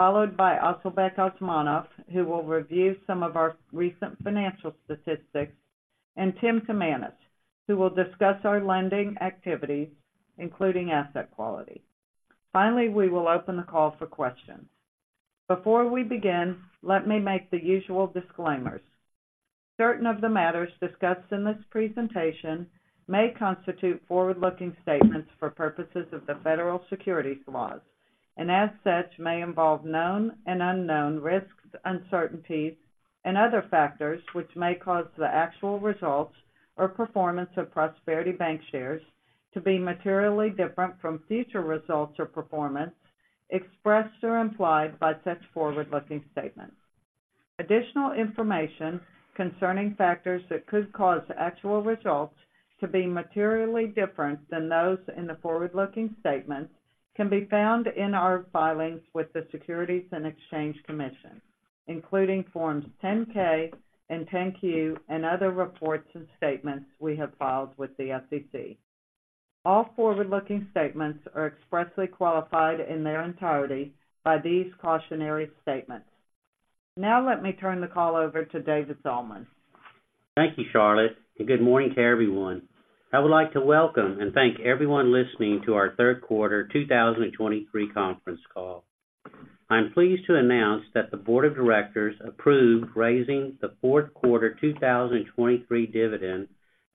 .....followed by Asylbek Osmonov, who will review some of our recent financial statistics, and Tim Timanus, who will discuss our lending activities, including asset quality. Finally, we will open the call for questions. Before we begin, let me make the usual disclaimers. Certain of the matters discussed in this presentation may constitute forward-looking statements for purposes of the federal securities laws, and as such, may involve known and unknown risks, uncertainties, and other factors which may cause the actual results or performance of Prosperity Bancshares to be materially different from future results or performance expressed or implied by such forward-looking statements. Additional information concerning factors that could cause actual results to be materially different than those in the forward-looking statements can be found in our filings with the Securities and Exchange Commission, including Forms 10-K and 10-Q and other reports and statements we have filed with the SEC. All forward-looking statements are expressly qualified in their entirety by these cautionary statements. Now let me turn the call over to David Zalman. Thank you, Charlotte, and good morning to everyone. I would like to welcome and thank everyone listening to our Q3 2023 conference call. I'm pleased to announce that the board of directors approved raising the Q4 2023 dividend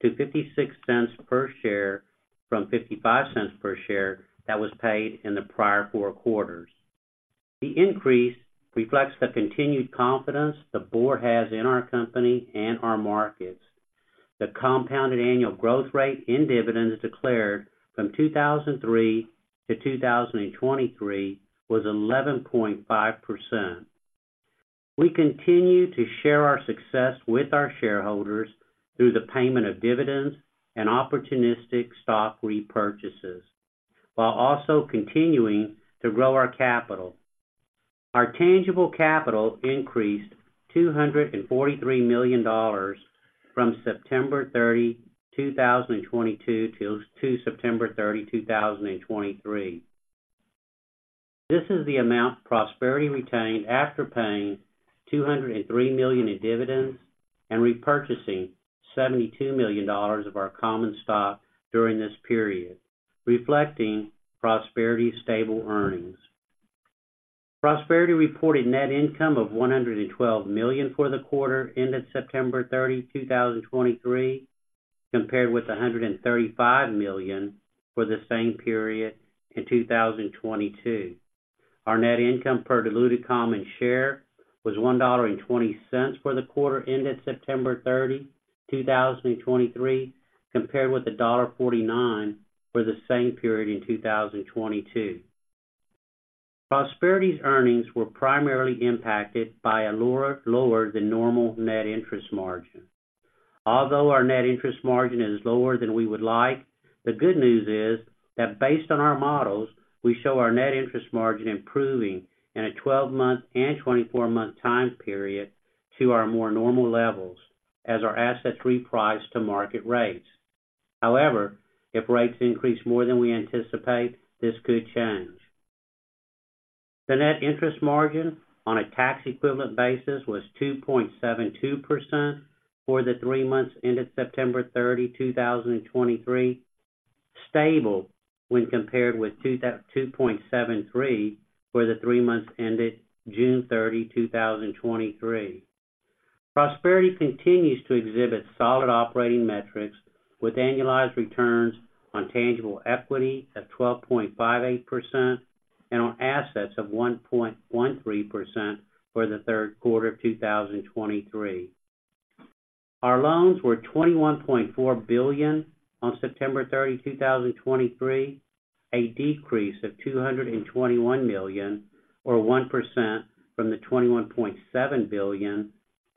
to $0.56 per share from $0.55 per share that was paid in the prior four quarters. The increase reflects the continued confidence the board has in our company and our markets. The compounded annual growth rate in dividends declared from 2003 to 2023 was 11.5%. We continue to share our success with our shareholders through the payment of dividends and opportunistic stock repurchases, while also continuing to grow our capital. Our tangible capital increased $243 million from September 30, 2022, to September 30, 2023. This is the amount Prosperity retained after paying $203 million in dividends and repurchasing $72 million of our common stock during this period, reflecting Prosperity's stable earnings. Prosperity reported net income of $112 million for the quarter ended September 30, 2023, compared with $135 million for the same period in 2022. Our net income per diluted common share was $1.20 for the quarter ended September 30, 2023, compared with $1.49 for the same period in 2022. Prosperity's earnings were primarily impacted by a lower than normal net interest margin. Although our net interest margin is lower than we would like, the good news is that based on our models, we show our net interest margin improving in a 12-month and 24-month time period to our more normal levels as our assets reprice to market rates. However, if rates increase more than we anticipate, this could change. The net interest margin on a tax equivalent basis was 2.72% for the three months ended September 30, 2023, stable when compared with 2.73% for the three months ended June 30, 2023. Prosperity continues to exhibit solid operating metrics, with annualized returns on tangible equity of 12.58% and on assets of 1.13% for the Q3 of 2023. Our loans were $21.4 billion on September 30, 2023, a decrease of $221 million, or 1%, from the $21.7 billion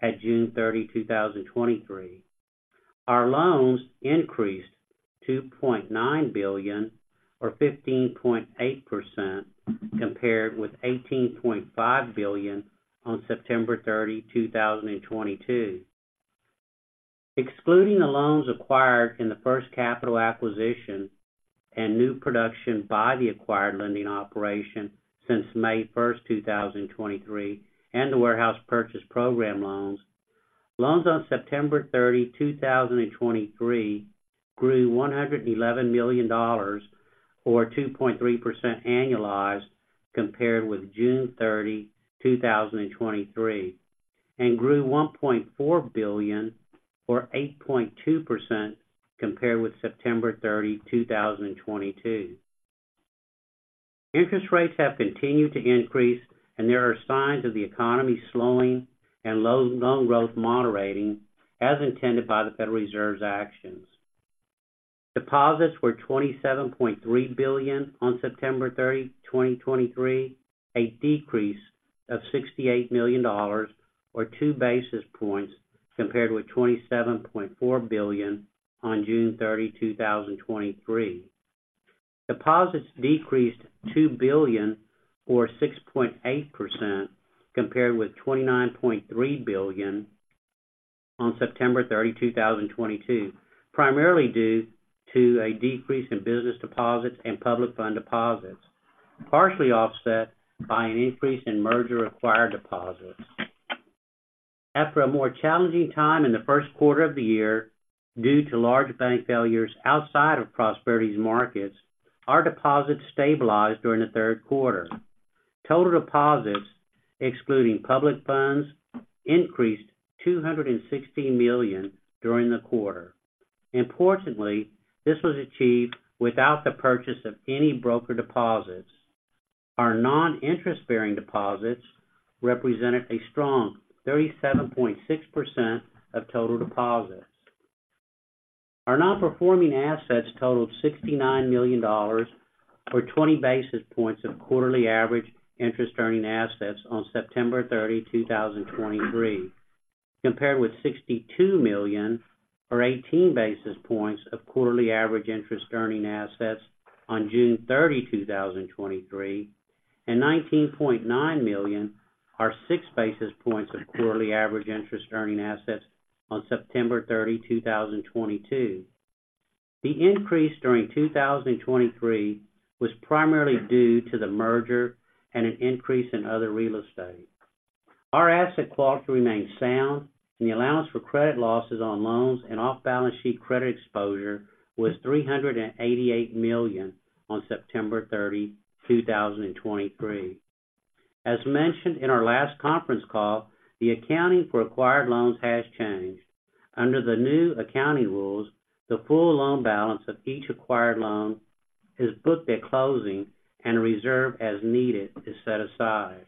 at June 30, 2023. Our loans increased $2.9 billion, or 15.8%, compared with $18.5 billion on September 30, 2022. Excluding the loans acquired in the First Capital acquisition and new production by the acquired lending operation since May 1, 2023, and the warehouse purchase program loans, loans on September 30, 2023, grew $111 million or 2.3% annualized, compared with June 30, 2023, and grew $1.4 billion or 8.2% compared with September 30, 2022. Interest rates have continued to increase, and there are signs of the economy slowing and loan growth moderating, as intended by the Federal Reserve's actions. Deposits were $27.3 billion on September 30, 2023, a decrease of $68 million, or two basis points, compared with $27.4 billion on June 30, 2023. Deposits decreased $2 billion, or 6.8%, compared with $29.3 billion on September 30, 2022, primarily due to a decrease in business deposits and public funds deposits, partially offset by an increase in merger-acquired deposits. After a more challenging time in the Q1 of the year, due to large bank failures outside of Prosperity's markets, our deposits stabilized during the Q3. Total deposits, excluding public funds, increased $260 million during the quarter. Importantly, this was achieved without the purchase of any broker deposits. Our non-interest-bearing deposits represented a strong 37.6% of total deposits. Our non-performing assets totaled $69 million, or 20 basis points of quarterly average interest earning assets on September 30, 2023, compared with $62 million, or 18 basis points of quarterly average interest earning assets on June 30, 2023, and $19.9 million, or six basis points of quarterly average interest earning assets on September 30, 2022. The increase during 2023 was primarily due to the Merger and an increase in other real estate. Our asset quality remains sound, and the allowance for credit losses on loans and off-balance sheet credit exposure was $388 million on September 30, 2023. As mentioned in our last conference call, the accounting for acquired loans has changed. Under the new accounting rules, the full loan balance of each acquired loan is booked at closing and a reserve as needed is set aside.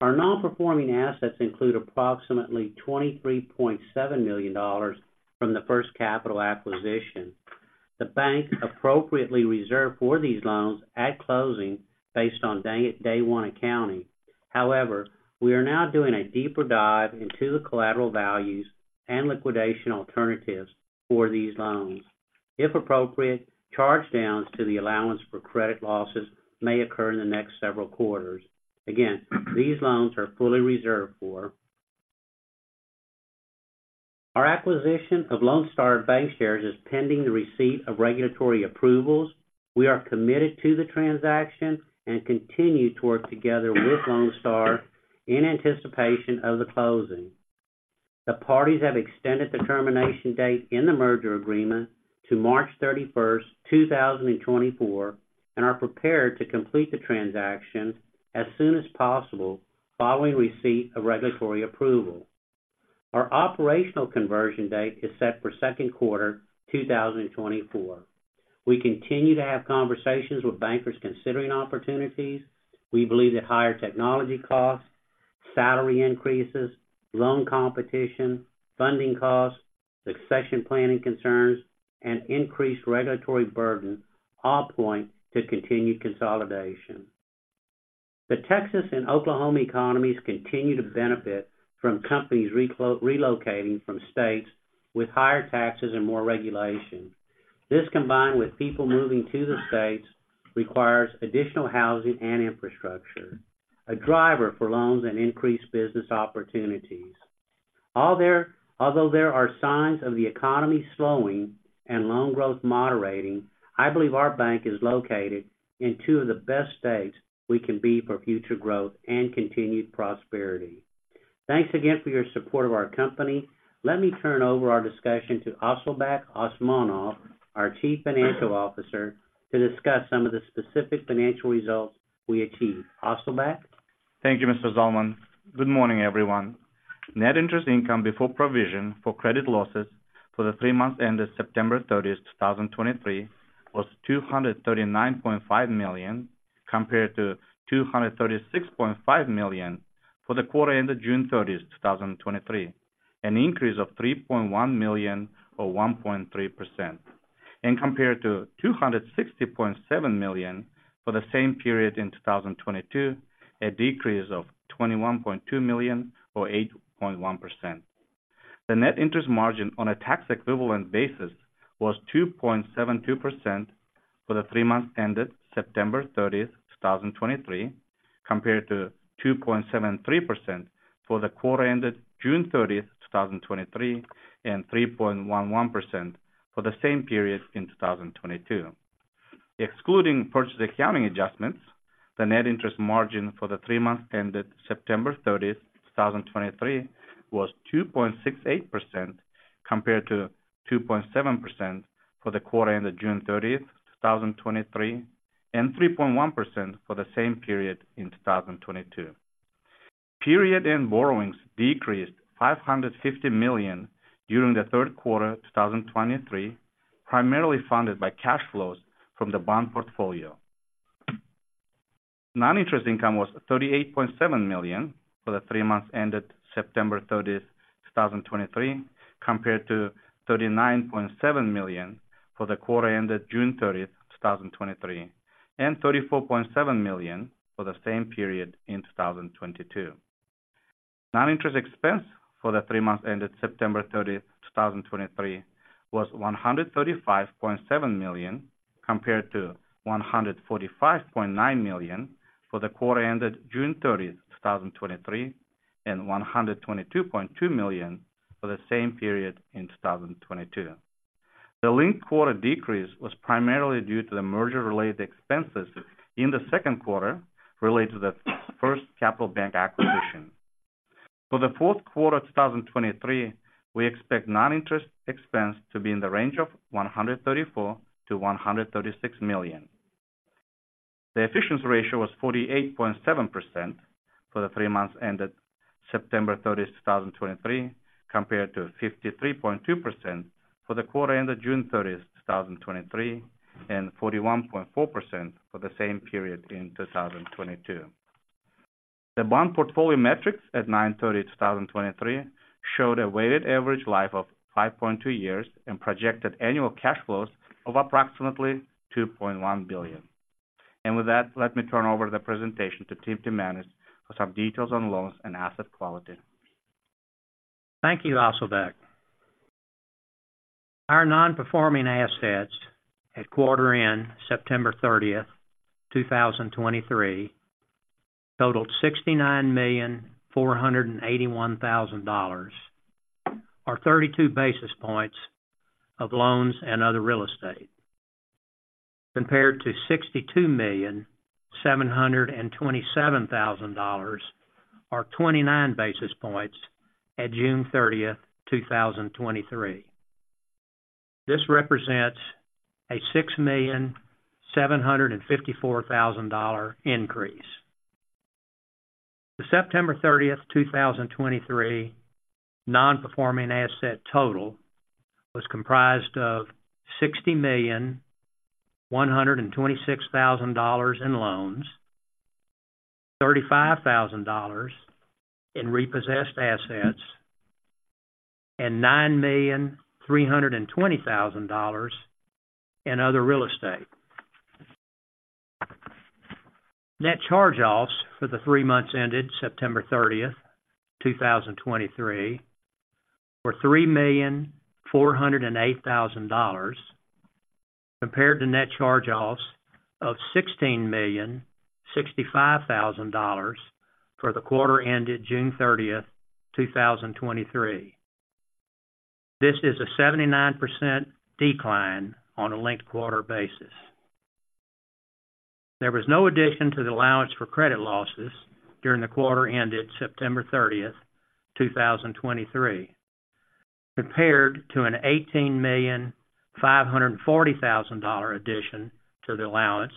Our non-performing assets include approximately $23.7 million from the First Capital acquisition. The bank appropriately reserved for these loans at closing based on day one accounting. However, we are now doing a deeper dive into the collateral values and liquidation alternatives for these loans. If appropriate, charge downs to the allowance for credit losses may occur in the next several quarters. Again, these loans are fully reserved for. Our acquisition of Lone Star Bank shares is pending the receipt of regulatory approvals. We are committed to the transaction and continue to work together with Lone Star in anticipation of the closing. The parties have extended the termination date in the merger agreement to March 31, 2024, and are prepared to complete the transaction as soon as possible following receipt of regulatory approval. Our operational conversion date is set for Q2 2024. We continue to have conversations with bankers considering opportunities. We believe that higher technology costs, salary increases, loan competition, funding costs, succession planning concerns, and increased regulatory burden all point to continued consolidation. The Texas and Oklahoma economies continue to benefit from companies relocating from states with higher taxes and more regulation. This, combined with people moving to the states, requires additional housing and infrastructure, a driver for loans and increased business opportunities. All right—although there are signs of the economy slowing and loan growth moderating, I believe our bank is located in two of the best states we can be for future growth and continued prosperity. Thanks again for your support of our company. Let me turn over our discussion to Asylbek Osmonov, our Chief Financial Officer, to discuss some of the specific financial results we achieved. Asylbek? Thank you, Mr. Zalman. Good morning, everyone. Net interest income before provision for credit losses for the three months ended September 30, 2023, was $239.5 million, compared to $236.5 million for the quarter ended June 30, 2023, an increase of $3.1 million, or 1.3%, and compared to $260.7 million for the same period in 2022, a decrease of $21.2 million or 8.1%. The net interest margin on a tax equivalent basis was 2.72% for the three months ended September 30, 2023, compared to 2.73% for the quarter ended June 30, 2023, and 3.11% for the same period in 2022. Excluding purchase accounting adjustments, the net interest margin for the three months ended September 30, 2023, was 2.68%, compared to 2.7% for the quarter ended June 30, 2023, and 3.1% for the same period in 2022. Period-end borrowings decreased $550 million during the Q3 of 2023, primarily funded by cash flows from the bond portfolio. Non-interest income was $38.7 million for the three months ended September 30, 2023, compared to $39.7 million for the quarter ended June 30, 2023, and $34.7 million for the same period in 2022. Non-interest expense for the three months ended September 30, 2023, was $135.7 million, compared to $145.9 million for the quarter ended June 30, 2023, and $122.2 million for the same period in 2022. The linked quarter decrease was primarily due to the Merger-related expenses in the Q2 related to the First Capital Bank acquisition. For the Q4 of 2023, we expect non-interest expense to be in the range of $134 million-$136 million. The efficiency ratio was 48.7% for the three months ended September 30, 2023, compared to 53.2% for the quarter ended June 30, 2023, and 41.4% for the same period in 2022. The bond portfolio metrics at 9/30/2023 showed a weighted average life of 5.2 years and projected annual cash flows of approximately $2.1 billion. With that, let me turn over the presentation to Tim Timanus for some details on loans and asset quality. Thank you, Asylbek. Our non-performing assets at quarter end, September thirtieth, 2023, totalled $69,481,000, or 32 basis points of loans and other real estate, compared to $62,727,000, or 29 basis points at June thirtieth, 2023. This represents a $6,754,000 dollar increase. The September thirtieth, 2023, non-performing asset total was comprised of $60,126,000 in loans, $35,000 in repossessed assets, and $9,320,000 in other real estate. Net charge-offs for the three months ended September thirtieth, 2023, were $3,408,000, compared to net charge-offs of $16,065,000 for the quarter ended June thirtieth, 2023. This is a 79% decline on a linked-quarter basis. There was no addition to the allowance for credit losses during the quarter ended September 30, 2023, compared to an $18.54 million addition to the allowance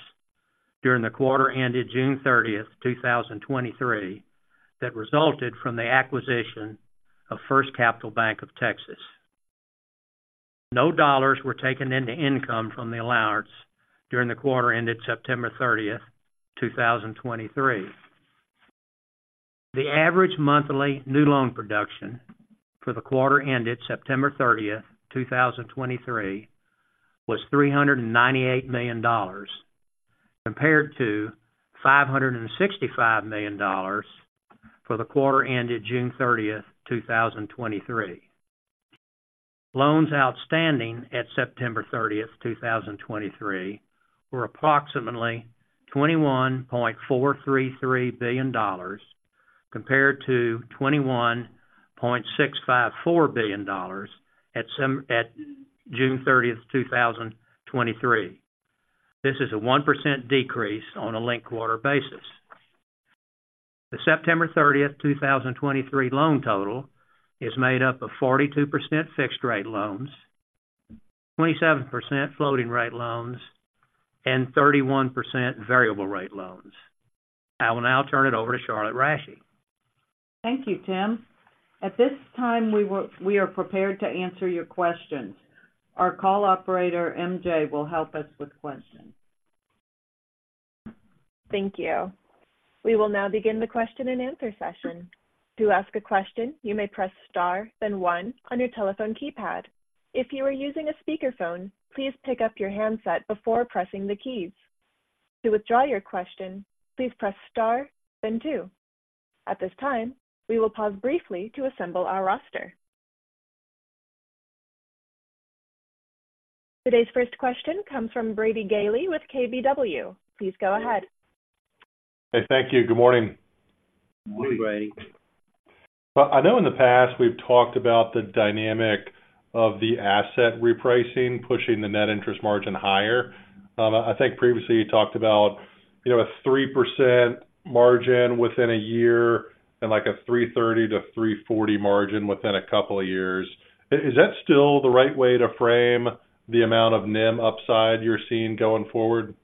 during the quarter ended June 30, 2023, that resulted from the acquisition of First Capital Bank of Texas. No dollars were taken into income from the allowance during the quarter ended September 30, 2023. The average monthly new loan production for the quarter ended September 30, 2023, was $398 million, compared to $565 million for the quarter ended June 30, 2023. Loans outstanding at September 30, 2023, were approximately $21.433 billion, compared to $21.654 billion at June 30, 2023. This is a 1% decrease on a linked-quarter basis. The September 30, 2023, loan total is made up of 42% fixed rate loans, 27% floating rate loans, and 31% variable rate loans. I will now turn it over to Charlotte Rasche. Thank you, Tim. At this time, we are prepared to answer your questions. Our call operator, MJ, will help us with questions. Thank you. We will now begin the question and answer session. To ask a question, you may press star, then one on your telephone keypad. If you are using a speakerphone, please pick up your handset before pressing the keys. To withdraw your question, please press star, then two. At this time, we will pause briefly to assemble our roster. Today's first question comes from Brady Gailey with KBW. Please go ahead. Hey, thank you. Good morning. Good morning, Brady. I know in the past, we've talked about the dynamic of the asset repricing, pushing the net interest margin higher. I think previously you talked about, you know, a 3% margin within a year and like a 3.30%-3.40% margin within a couple of years. Is that still the right way to frame the amount of NIM upside you're seeing going forward?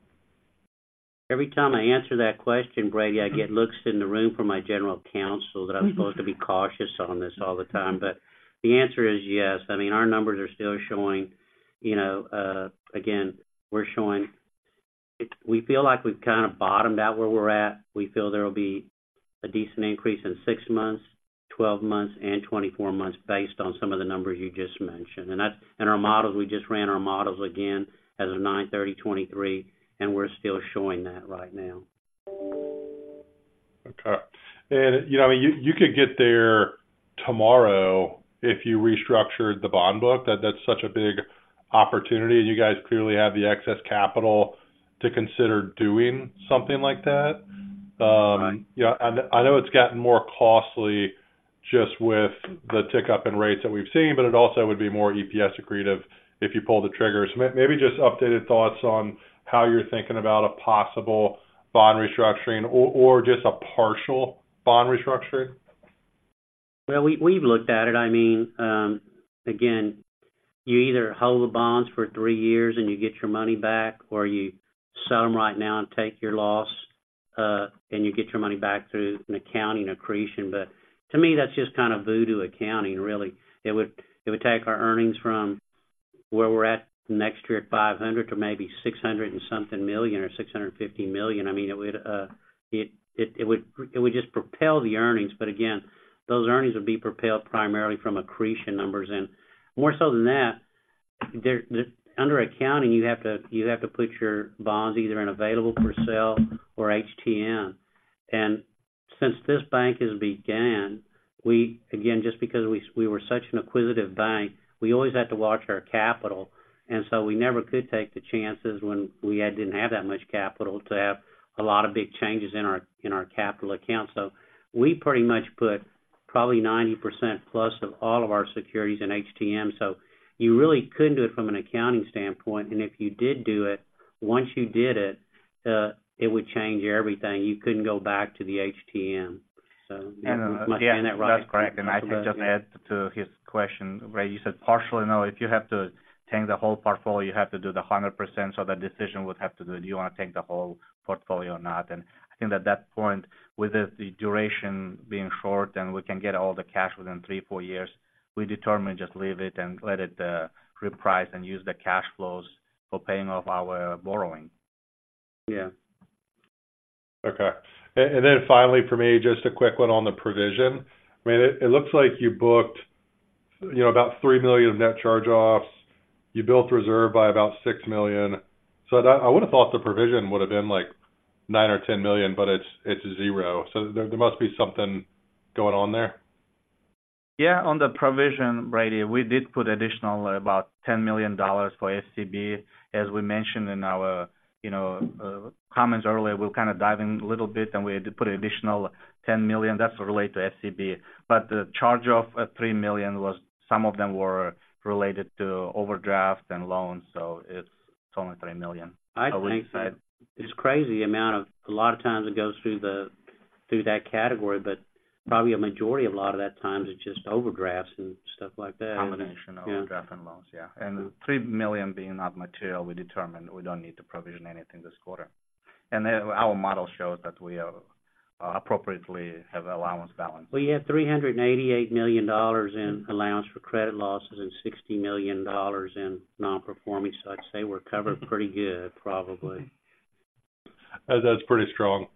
Every time I answer that question, Brady, I get looks in the room from my general counsel that I'm supposed to be cautious on this all the time. But the answer is yes. I mean, our numbers are still showing, again, we're showing we feel like we've kind of bottomed out where we're at. We feel there will be a decent increase in six months, 12 months, and 24 months, based on some of the numbers you just mentioned. And that's and our models, we just ran our models again as of 9/30/2023, and we're still showing that right now. Okay, you could get there tomorrow if you restructured the bond book. That, that's such a big opportunity, and you guys clearly have the excess capital to consider doing something like that. Right. Yeah, and I know it's gotten more costly just with the tick up in rates that we've seen, but it also would be more EPS accretive if you pull the trigger. So maybe just updated thoughts on how you're thinking about a possible bond restructuring or, or just a partial bond restructuring? Well, we've looked at it. I mean, again, you either hold the bonds for three years and you get your money back, or you sell them right now and take your loss, and you get your money back through an accounting accretion. But to me, that's just kind of voodoo accounting, really. It would take our earnings from where we're at next year at $500 million to maybe $600-something million or $650 million. I mean, it would just propel the earnings. But again, those earnings would be propelled primarily from accretion numbers. And more so than that, there, under accounting, you have to put your bonds either in available for sale or HTM. And since this bank has began, we again, just because we were such an acquisitive bank, we always had to watch our capital, and so we never could take the chances when we didn't have that much capital to have a lot of big changes in our, in our capital account. So we pretty much put probably 90% plus of all of our securities in HTM. So you really couldn't do it from an accounting standpoint, and if you did do it, it would change everything. You couldn't go back to the HTM. So am I saying that right? That's correct. I think just to add to his question, where you said partially, no, if you have to take the whole portfolio, you have to do the 100%, so the decision would have to do, do you want to take the whole portfolio or not? I think at that point, with the duration being short and we can get all the cash within 3-4 years, we determined just leave it and let it reprice and use the cash flows for paying off our borrowing. Yeah. Okay. Then finally, for me, just a quick one on the provision. I mean, it looks like you booked, you know, about $3 million of net charge-offs. You built reserve by about $6 million. So that, I would have thought the provision would have been, like, $9 million or $10 million, but it's $0. So there must be something going on there? Yeah, on the provision, Brady, we did put additional about $10 million for FCB. As we mentioned in our, you know, comments earlier, we'll kind of dive in a little bit, and we had to put an additional $10 million that's related to FCB. But the charge-off at $3 million was some of them were related to overdraft and loans, so it's only $3 million. I think that it's a crazy amount of a lot of times it goes through that category, but probably a majority of a lot of that times is just overdrafts and stuff like that. Combination of overdraft and loans, yeah. And $3 million being not material, we determined we don't need to provision anything this quarter. And then our model shows that we are appropriately have allowance balance. We have $388 million in allowance for credit losses and $60 million in non-performing, so I'd say we're covered pretty good, probably. That's pretty strong.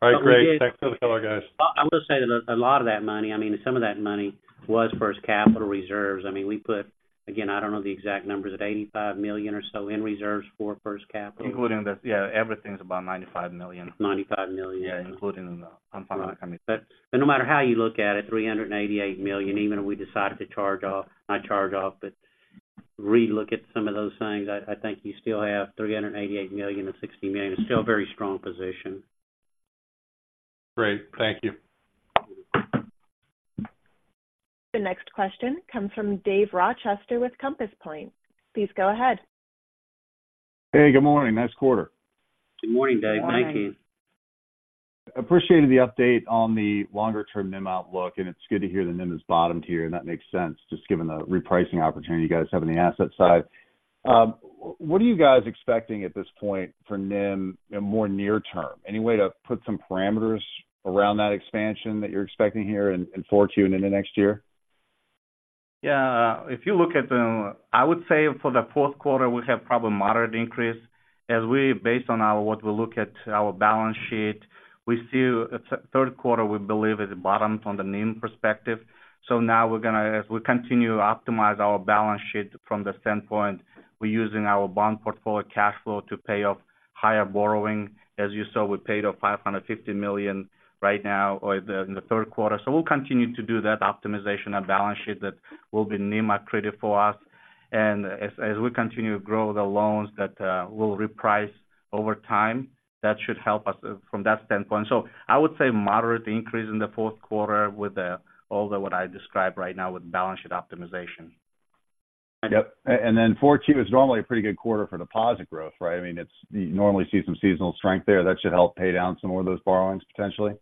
But we did- All right, great. Thanks for the call, guys. I will say that a lot of that money, I mean, some of that money was First Capital reserves. I mean, we put, again, I don't know the exact numbers, at $85 million or so in reserves for First Capital. Including this, yeah, everything's about $95 million. Ninety-five million. Yeah, including the... But no matter how you look at it, $388 million, even if we decided to charge off, not charge off, but relook at some of those things, I think you still have $388 million and $60 million. It's still a very strong position. Great. Thank you. The next question comes from Dave Rochester with Compass Point. Please go ahead. Hey, good morning. Nice quarter. Good morning, Dave. Thank you. Good morning. Appreciated the update on the longer-term NIM outlook, and it's good to hear the NIM has bottomed here, and that makes sense, just given the repricing opportunity you guys have on the asset side. What are you guys expecting at this point for NIM in more near term? Any way to put some parameters around that expansion that you're expecting here in 4Q and into next year? Yeah. If you look at the, I would say for the Q4, we have probably moderate increase. As we based on what we look at, our balance sheet, we see the Q3, we believe, is bottomed on the NIM perspective. So now we're going to, as we continue to optimize our balance sheet from the standpoint, we're using our bond portfolio cash flow to pay off higher borrowing. As you saw, we paid off $550 million right now or the, in the Q3. So we'll continue to do that optimization and balance sheet that will be NIM accretive for us. And as we continue to grow the loans that will reprice over time, that should help us from that standpoint. So I would say moderate increase in the Q4 with the, all the, what I described right now with balance sheet optimization. Yep. And then Q4 is normally a pretty good quarter for deposit growth, right? I mean, it's—you normally see some seasonal strength there. That should help pay down some more of those borrowings, potentially?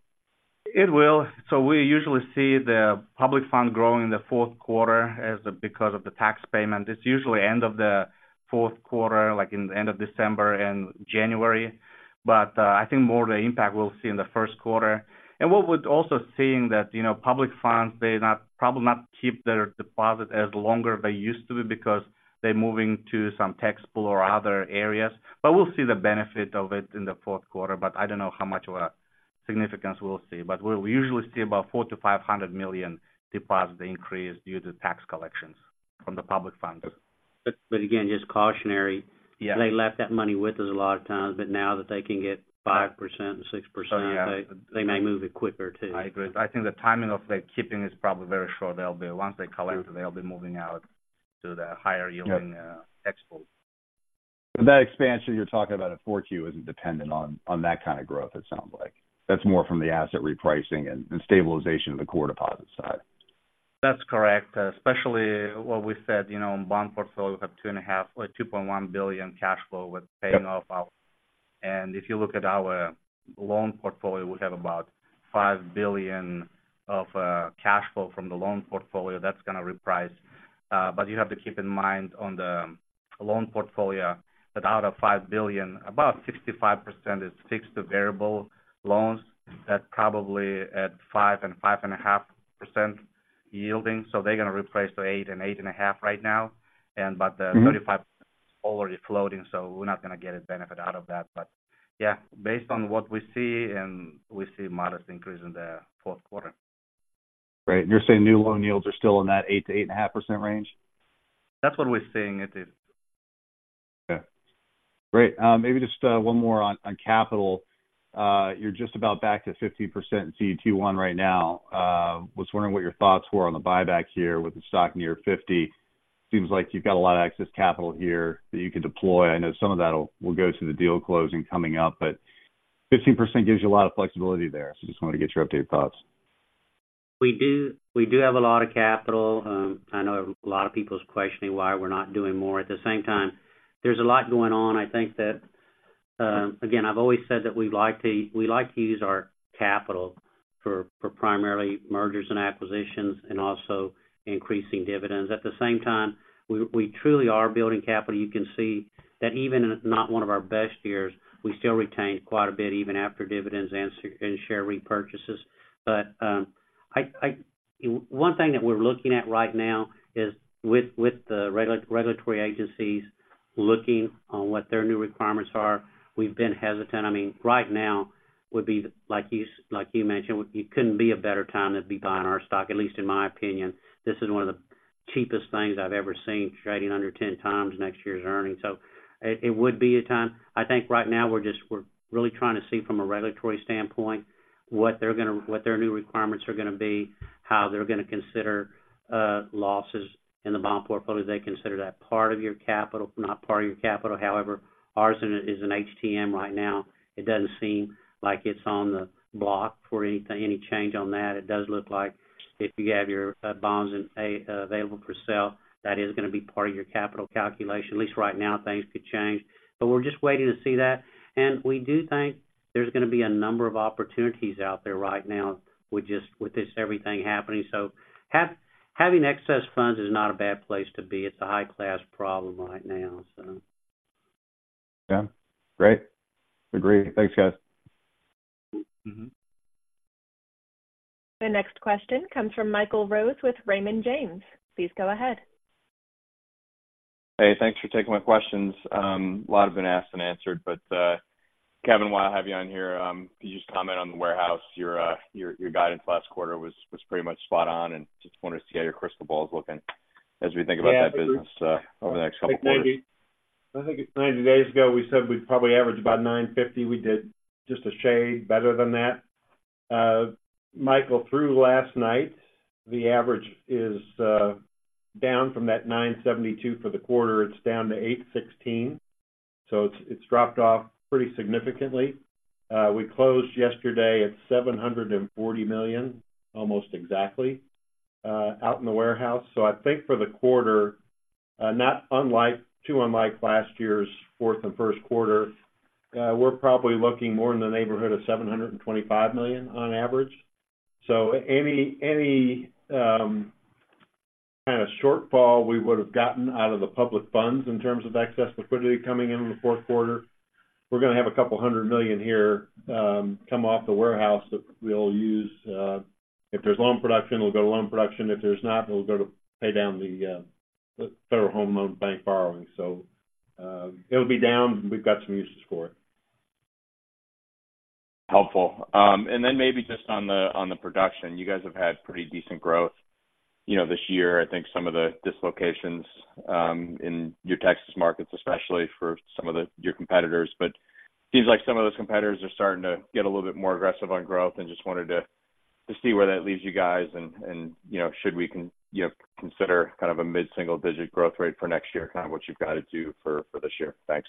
It will. So we usually see the public fund growing in the Q4 as because of the tax payment. It's usually end of the Q4, like in the end of December and January, but I think more the impact we'll see in the Q1. And what we're also seeing that, you know, public funds, they probably not keep their deposit as longer they used to be because they're moving to some tax pool or other areas, but we'll see the benefit of it in the Q4, but I don't know how much of a significance we'll see. But we'll usually see about $400 million-$500 million deposit increase due to tax collections from the public funds.... But again, just cautionary- Yeah. They left that money with us a lot of times, but now that they can get 5%, 6%- Oh, yeah. They may move it quicker, too. I agree. I think the timing of the keeping is probably very short. They'll be-- once they collect it, they'll be moving out to the higher yielding export. But that expansion you're talking about in 4Q isn't dependent on, on that kind of growth, it sounds like. That's more from the asset repricing and, and stabilization of the core deposit side. That's correct. Especially what we said, you know, in bond portfolio, we have $2.5 billion or $2.1 billion cash flow with paying off our... Yep. If you look at our loan portfolio, we have about $5 billion of cash flow from the loan portfolio. That's going to reprice. But you have to keep in mind on the loan portfolio, that out of $5 billion, about 65% is fixed to variable loans. That probably at 5%-5.5% yielding, so they're going to reprice to 8%-8.5% right now. And but the-... 35 already floating, so we're not going to get a benefit out of that. But yeah, based on what we see, and we see a modest increase in the Q4. Right. And you're saying new loan yields are still in that 8%-8.5% range? That's what we're seeing it is. Okay. Great. Maybe just one more on capital. You're just about back to 15% in CET1 right now. Was wondering what your thoughts were on the buyback here with the stock near $50. Seems like you've got a lot of excess capital here that you could deploy. I know some of that will go to the deal closing coming up, but 15% gives you a lot of flexibility there. So just wanted to get your updated thoughts. We do, we do have a lot of capital. I know a lot of people's questioning why we're not doing more. At the same time, there's a lot going on. I think that, again, I've always said that we like to, we like to use our capital for primarily mergers and acquisitions and also increasing dividends. At the same time, we, we truly are building capital. You can see that even in not one of our best years, we still retained quite a bit, even after dividends and share repurchases. But, One thing that we're looking at right now is with the regulatory agencies, looking on what their new requirements are. We've been hesitant. I mean, right now would be, like you mentioned, it couldn't be a better time to be buying our stock, at least in my opinion. This is one of the cheapest things I've ever seen, trading under 10 times next year's earnings. So it would be a time. I think right now we're really trying to see from a regulatory standpoint, what they're going to be, what their new requirements are going to be, how they're going to consider losses in the bond portfolio. They consider that part of your capital, not part of your capital. However, ours is an HTM right now. It doesn't seem like it's on the block for anything, any change on that. It does look like if you have your bonds in available for sale, that is going to be part of your capital calculation. At least right now, things could change. But we're just waiting to see that. We do think there's going to be a number of opportunities out there right now with just, with this everything happening. So having excess funds is not a bad place to be. It's a high-class problem right now, so. Yeah. Great. Agree. Thanks, guys. The next question comes from Michael Rose with Raymond James. Please go ahead. Hey, thanks for taking my questions. A lot have been asked and answered, but, Kevin, while I have you on here, could you just comment on the warehouse? Your guidance last quarter was pretty much spot on, and just wanted to see how your crystal ball is looking as we think about that business- Yeah over the next couple of quarters. I think 90 days ago, we said we'd probably average about $950 million. We did just a shade better than that. Michael, through last night, the average is down from that $972 million for the quarter. It's down to $816 million, so it's dropped off pretty significantly. We closed yesterday at $740 million, almost exactly, out in the warehouse. So I think for the quarter, not too unlike last year's fourth and Q1, we're probably looking more in the neighborhood of $725 million on average. So any, any, kind of shortfall we would have gotten out of the public funds in terms of excess liquidity coming in in the Q4, we're going to have $200 million here come off the warehouse that we'll use, if there's loan production, it'll go to loan production. If there's not, it'll go to pay down the, the Federal Home Loan Bank borrowing. So, it'll be down, but we've got some uses for it. Helpful. And then maybe just on the production. You guys have had pretty decent growth, you know, this year. I think some of the dislocations in your Texas markets, especially for some of your competitors, but seems like some of those competitors are starting to get a little bit more aggressive on growth and just wanted to see where that leaves you guys and, you know, should we consider kind of a mid-single-digit growth rate for next year, kind of what you've guided to for this year. Thanks.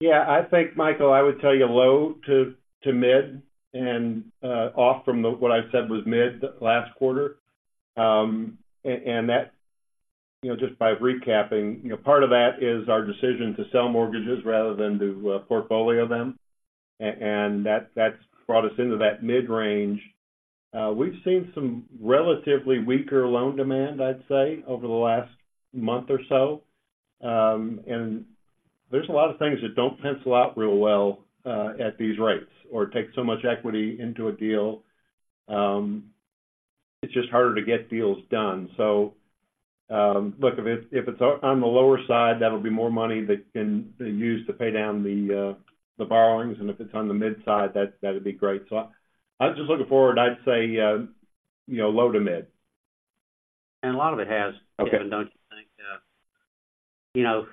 Yeah, I think, Michael, I would tell you low to mid and off from what I said was mid last quarter. And that, you know, just by recapping, you know, part of that is our decision to sell mortgages rather than to portfolio them, and that, that's brought us into that mid-range. We've seen some relatively weaker loan demand, I'd say, over the last month or so. And there's a lot of things that don't pencil out real well at these rates, or take so much equity into a deal. It's just harder to get deals done. So, look, if it's on the lower side, that'll be more money that can use to pay down the borrowings, and if it's on the mid-side, that's, that'd be great. I'm just looking forward, I'd say, you know, low to mid. And a lot of it has- Okay Don't you think? You know,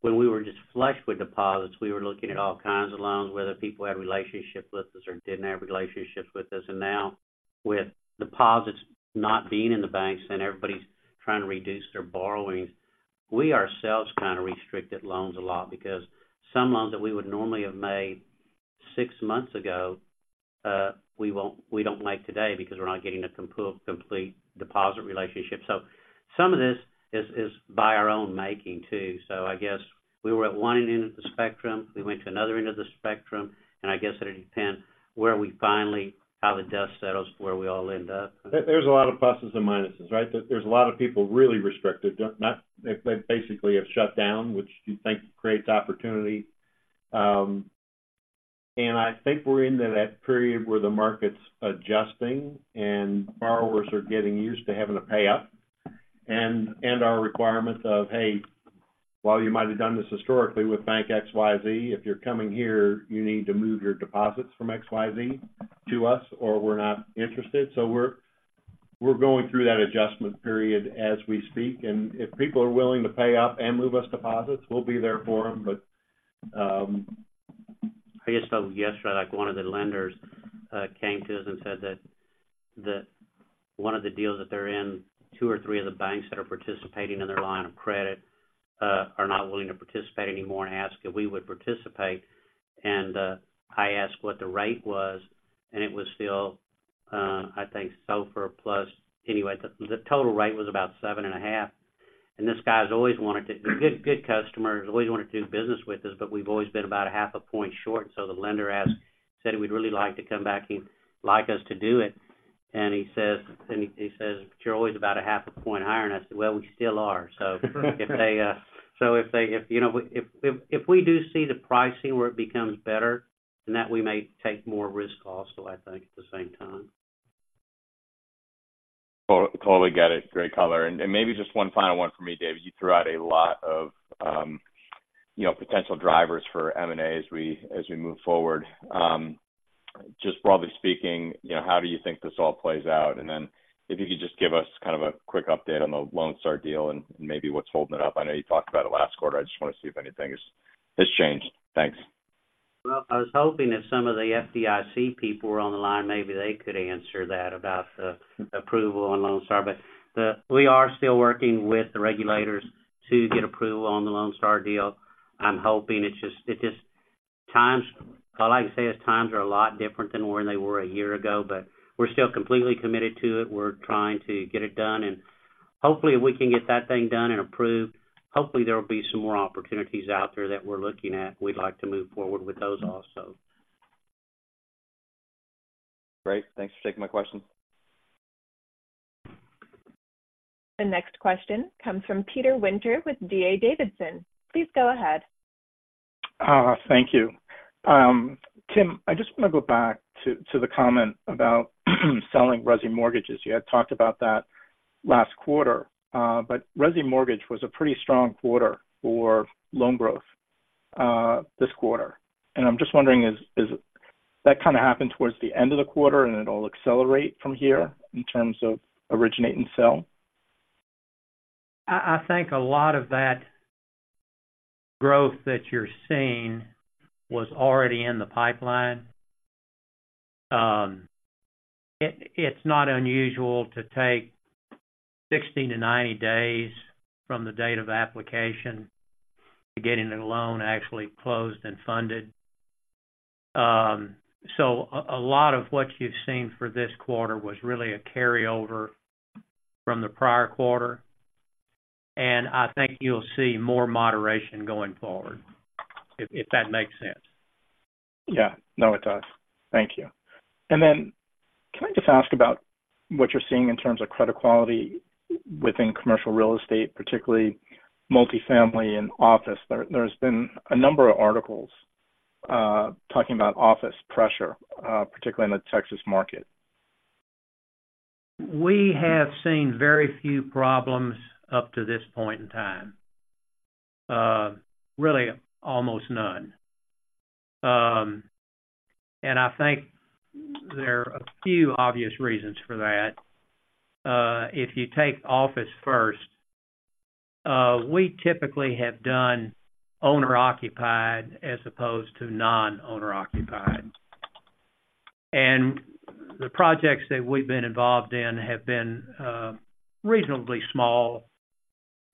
when we were just flushed with deposits, we were looking at all kinds of loans, whether people had relationships with us or didn't have relationships with us. And now, with deposits not being in the banks and everybody's trying to reduce their borrowings, we ourselves kind of restricted loans a lot because some loans that we would normally have made six months ago, we won't, we don't make today because we're not getting a complete deposit relationship. So some of this is by our own making, too. So I guess we were at one end of the spectrum, we went to another end of the spectrum, and I guess it'll depend where we finally, how the dust settles, where we all end up. There's a lot of pluses and minuses, right? There's a lot of people really restricted. They basically have shut down, which you think creates opportunity. And I think we're into that period where the market's adjusting and borrowers are getting used to having to pay up. And our requirements of, hey, while you might have done this historically with bank XYZ, if you're coming here, you need to move your deposits from XYZ to us, or we're not interested. So we're going through that adjustment period as we speak, and if people are willing to pay up and move us deposits, we'll be there for them. But, I just spoke with yesterday, like, one of the lenders came to us and said that one of the deals that they're in, two or three of the banks that are participating in their line of credit are not willing to participate anymore and ask if we would participate. And I asked what the rate was, and it was still, I think, SOFR plus... Anyway, the total rate was about 7.5. And this guy's always wanted to—a good, good customer. He's always wanted to do business with us, but we've always been about a half a point short. So the lender asked—he said he'd really like to come back, he'd like us to do it. And he says: "But you're always about a half a point higher." And I said, "Well, we still are." So if they, you know, if we do see the pricing where it becomes better, then that we may take more risk also, I think, at the same time. Totally get it. Great color. Maybe just one final one for me, David. You threw out a lot of, you know, potential drivers for M&A as we move forward. Just broadly speaking, you know, how do you think this all plays out? And then if you could just give us kind of a quick update on the Lone Star deal and maybe what's holding it up. I know you talked about it last quarter. I just want to see if anything has changed. Thanks. Well, I was hoping if some of the FDIC people were on the line, maybe they could answer that about the approval on Lone Star. But we are still working with the regulators to get approval on the Lone Star deal. I'm hoping it's just, it just... Times, all I can say is times are a lot different than where they were a year ago, but we're still completely committed to it. We're trying to get it done, and hopefully, we can get that thing done and approved. Hopefully, there will be some more opportunities out there that we're looking at. We'd like to move forward with those also. Great. Thanks for taking my question. The next question comes from Peter Winter with D.A. Davidson. Please go ahead. Thank you. Tim, I just want to go back to the comment about selling resi mortgages. You had talked about that last quarter, but resi mortgage was a pretty strong quarter for loan growth, this quarter. And I'm just wondering, is that kind of happened towards the end of the quarter, and it'll accelerate from here in terms of originate and sell? I think a lot of that growth that you're seeing was already in the pipeline. It's not unusual to take 60-90 days from the date of application to getting a loan actually closed and funded. So a lot of what you've seen for this quarter was really a carryover from the prior quarter, and I think you'll see more moderation going forward, if that makes sense. Yeah. Now, it does. Thank you. And then can I just ask about what you're seeing in terms of credit quality within commercial real estate, particularly multifamily and office? There, there's been a number of articles talking about office pressure, particularly in the Texas market. We have seen very few problems up to this point in time. Really, almost none. I think there are a few obvious reasons for that. If you take office first, we typically have done owner-occupied as opposed to non-owner occupied. The projects that we've been involved in have been reasonably small,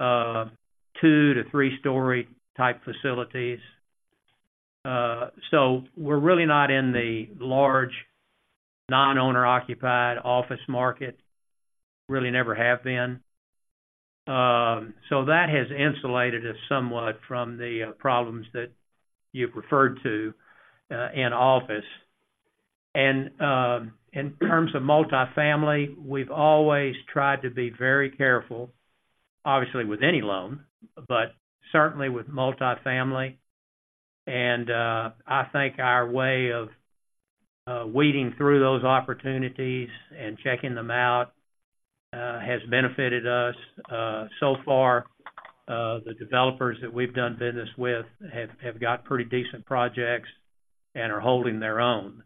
2-3-story type facilities. So we're really not in the large non-owner occupied office market. Really never have been. So that has insulated us somewhat from the problems that you referred to in office. In terms of multifamily, we've always tried to be very careful, obviously, with any loan, but certainly with multifamily. I think our way of weeding through those opportunities and checking them out- ... has benefited us. So far, the developers that we've done business with have got pretty decent projects and are holding their own.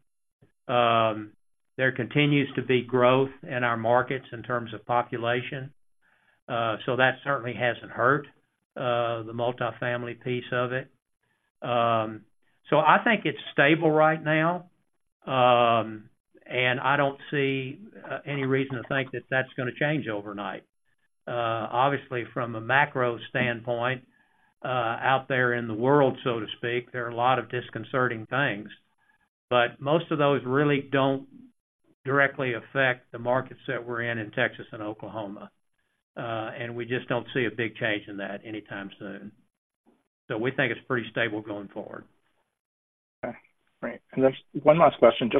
There continues to be growth in our markets in terms of population, so that certainly hasn't hurt the multifamily piece of it. So I think it's stable right now, and I don't see any reason to think that that's gonna change overnight. Obviously, from a macro standpoint, out there in the world, so to speak, there are a lot of disconcerting things, but most of those really don't directly affect the markets that we're in in Texas and Oklahoma. And we just don't see a big change in that anytime soon. So we think it's pretty stable going forward. Okay, great. Just one last question.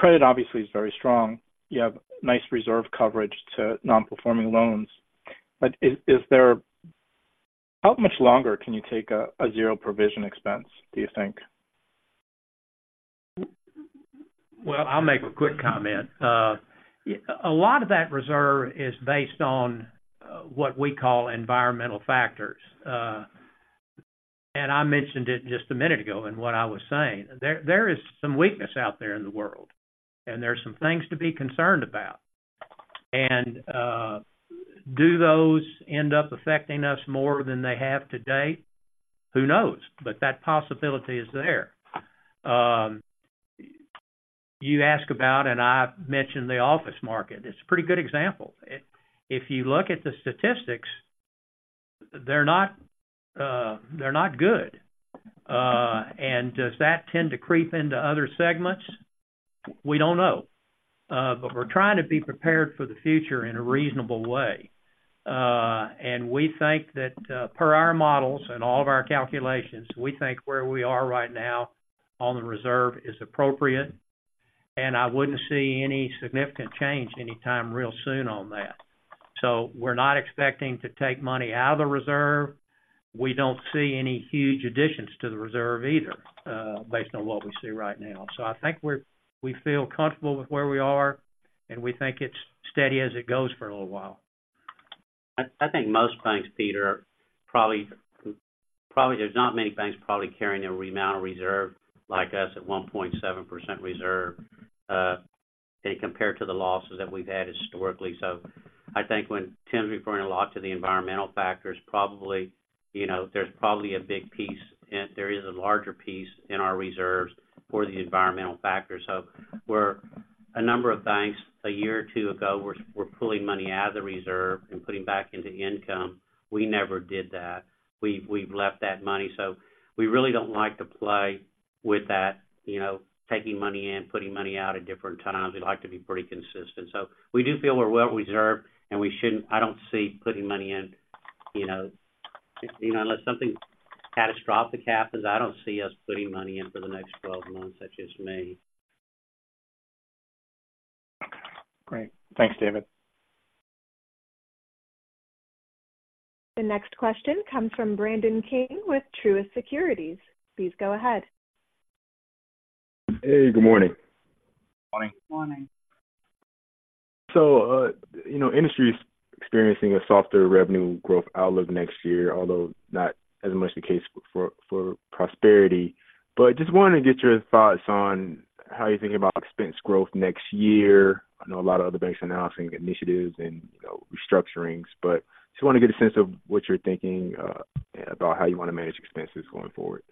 Credit obviously is very strong. You have nice reserve coverage to non-performing loans. But is there—how much longer can you take a zero provision expense, do you think? Well, I'll make a quick comment. A lot of that reserve is based on what we call environmental factors. And I mentioned it just a minute ago in what I was saying. There, there is some weakness out there in the world, and there are some things to be concerned about. And do those end up affecting us more than they have to date? Who knows? But that possibility is there. You ask about, and I've mentioned the office market. It's a pretty good example. If you look at the statistics, they're not good. And does that tend to creep into other segments? We don't know. But we're trying to be prepared for the future in a reasonable way. We think that, per our models and all of our calculations, we think where we are right now on the reserve is appropriate, and I wouldn't see any significant change anytime real soon on that. So we're not expecting to take money out of the reserve. We don't see any huge additions to the reserve either, based on what we see right now. So I think we feel comfortable with where we are, and we think it's steady as it goes for a little while. I think most banks, Peter, probably there's not many banks probably carrying the amount of reserve like us at 1.7% reserve, and compared to the losses that we've had historically. So I think when Tim's referring a lot to the environmental factors, probably, you know, there's probably a big piece and there is a larger piece in our reserves for the environmental factors. So where a number of banks a year or two ago were pulling money out of the reserve and putting back into income, we never did that. We've left that money. So we really don't like to play with that, you know, taking money in, putting money out at different times. We like to be pretty consistent. We do feel we're well reserved, and we shouldn't. I don't see putting money in, you know, you know, unless something catastrophic happens. I don't see us putting money in for the next 12 months, such as me. Great. Thanks, David. The next question comes from Brandon King with Truist Securities. Please go ahead. Hey, good morning. Morning. Morning. So, you know, industry is experiencing a softer revenue growth outlook next year, although not as much the case for, for Prosperity. But just wanted to get your thoughts on how you're thinking about expense growth next year. I know a lot of other banks are announcing initiatives and, you know, restructurings, but just want to get a sense of what you're thinking, about how you want to manage expenses going forward.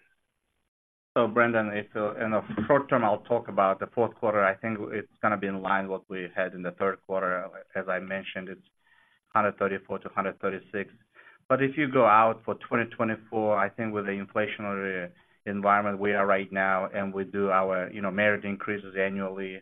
So, Brandon, if in the short term, I'll talk about the Q4. I think it's gonna be in line with what we had in the Q3. As I mentioned, it's $134-$136. But if you go out for 2024, I think with the inflationary environment we are right now, and we do our, you know, merit increases annually.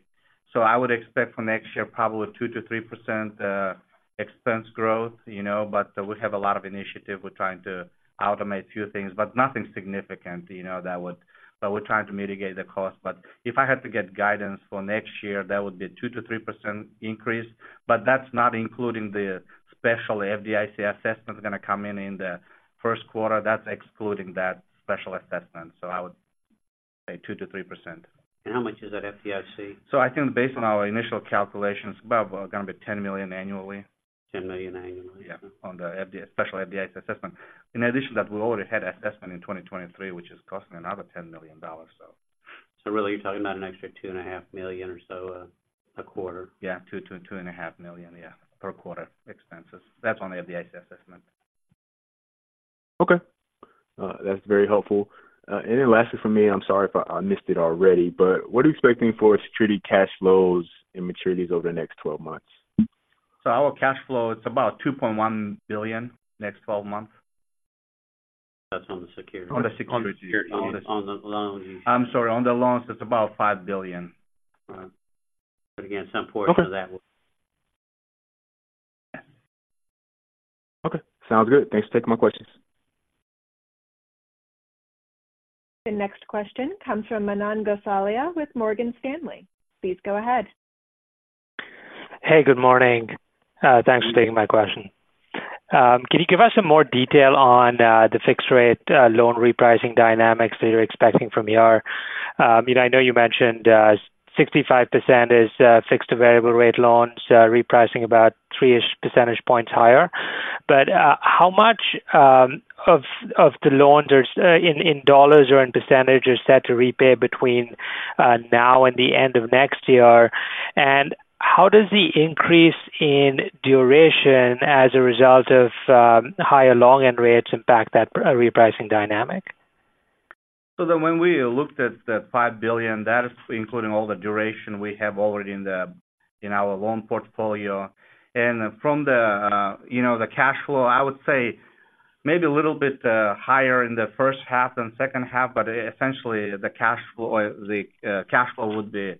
So I would expect for next year, probably 2%-3% expense growth, you know, but we have a lot of initiative. We're trying to automate a few things, but nothing significant, you know, that would... But we're trying to mitigate the cost. But if I had to get guidance for next year, that would be a 2%-3% increase, but that's not including the special FDIC assessment that's going to come in in the Q1. That's excluding that special assessment. So I would say 2%-3%. How much is that FDIC? I think based on our initial calculations, about gonna be $10 million annually. $10 million annually? Yeah, on the FDIC special assessment. In addition to that, we already had assessment in 2023, which is costing another $10 million, so. So really, you're talking about an extra $2.5 million or so a quarter? Yeah, $2 million-$2.5 million, yeah, per quarter expenses. That's on the FDIC assessment. Okay, that's very helpful. And then lastly, for me, I'm sorry if I, I missed it already, but what are you expecting for securities cash flows and maturities over the next 12 months? So our cash flow, it's about $2.1 billion, next twelve months. That's on the securities. On the securities. On the loans- I'm sorry. On the loans, it's about $5 billion. But again, some portion of that will- Okay. Sounds good. Thanks for taking my questions. The next question comes from Manan Gosalia with Morgan Stanley. Please go ahead. Hey, good morning. Thanks for taking my question.... Can you give us some more detail on the fixed rate loan repricing dynamics that you're expecting from ER? You know, I know you mentioned 65% is fixed to variable rate loans repricing about three-ish percentage points higher. But how much of the loans are in dollars or in percentage set to repay between now and the end of next year? And how does the increase in duration as a result of higher long-end rates impact that repricing dynamic? So then, when we looked at the $5 billion, that is including all the duration we have already in the, in our loan portfolio. And from the, you know, the cash flow, I would say maybe a little bit higher in the first half than second half, but essentially the cash flow, or the, cash flow would be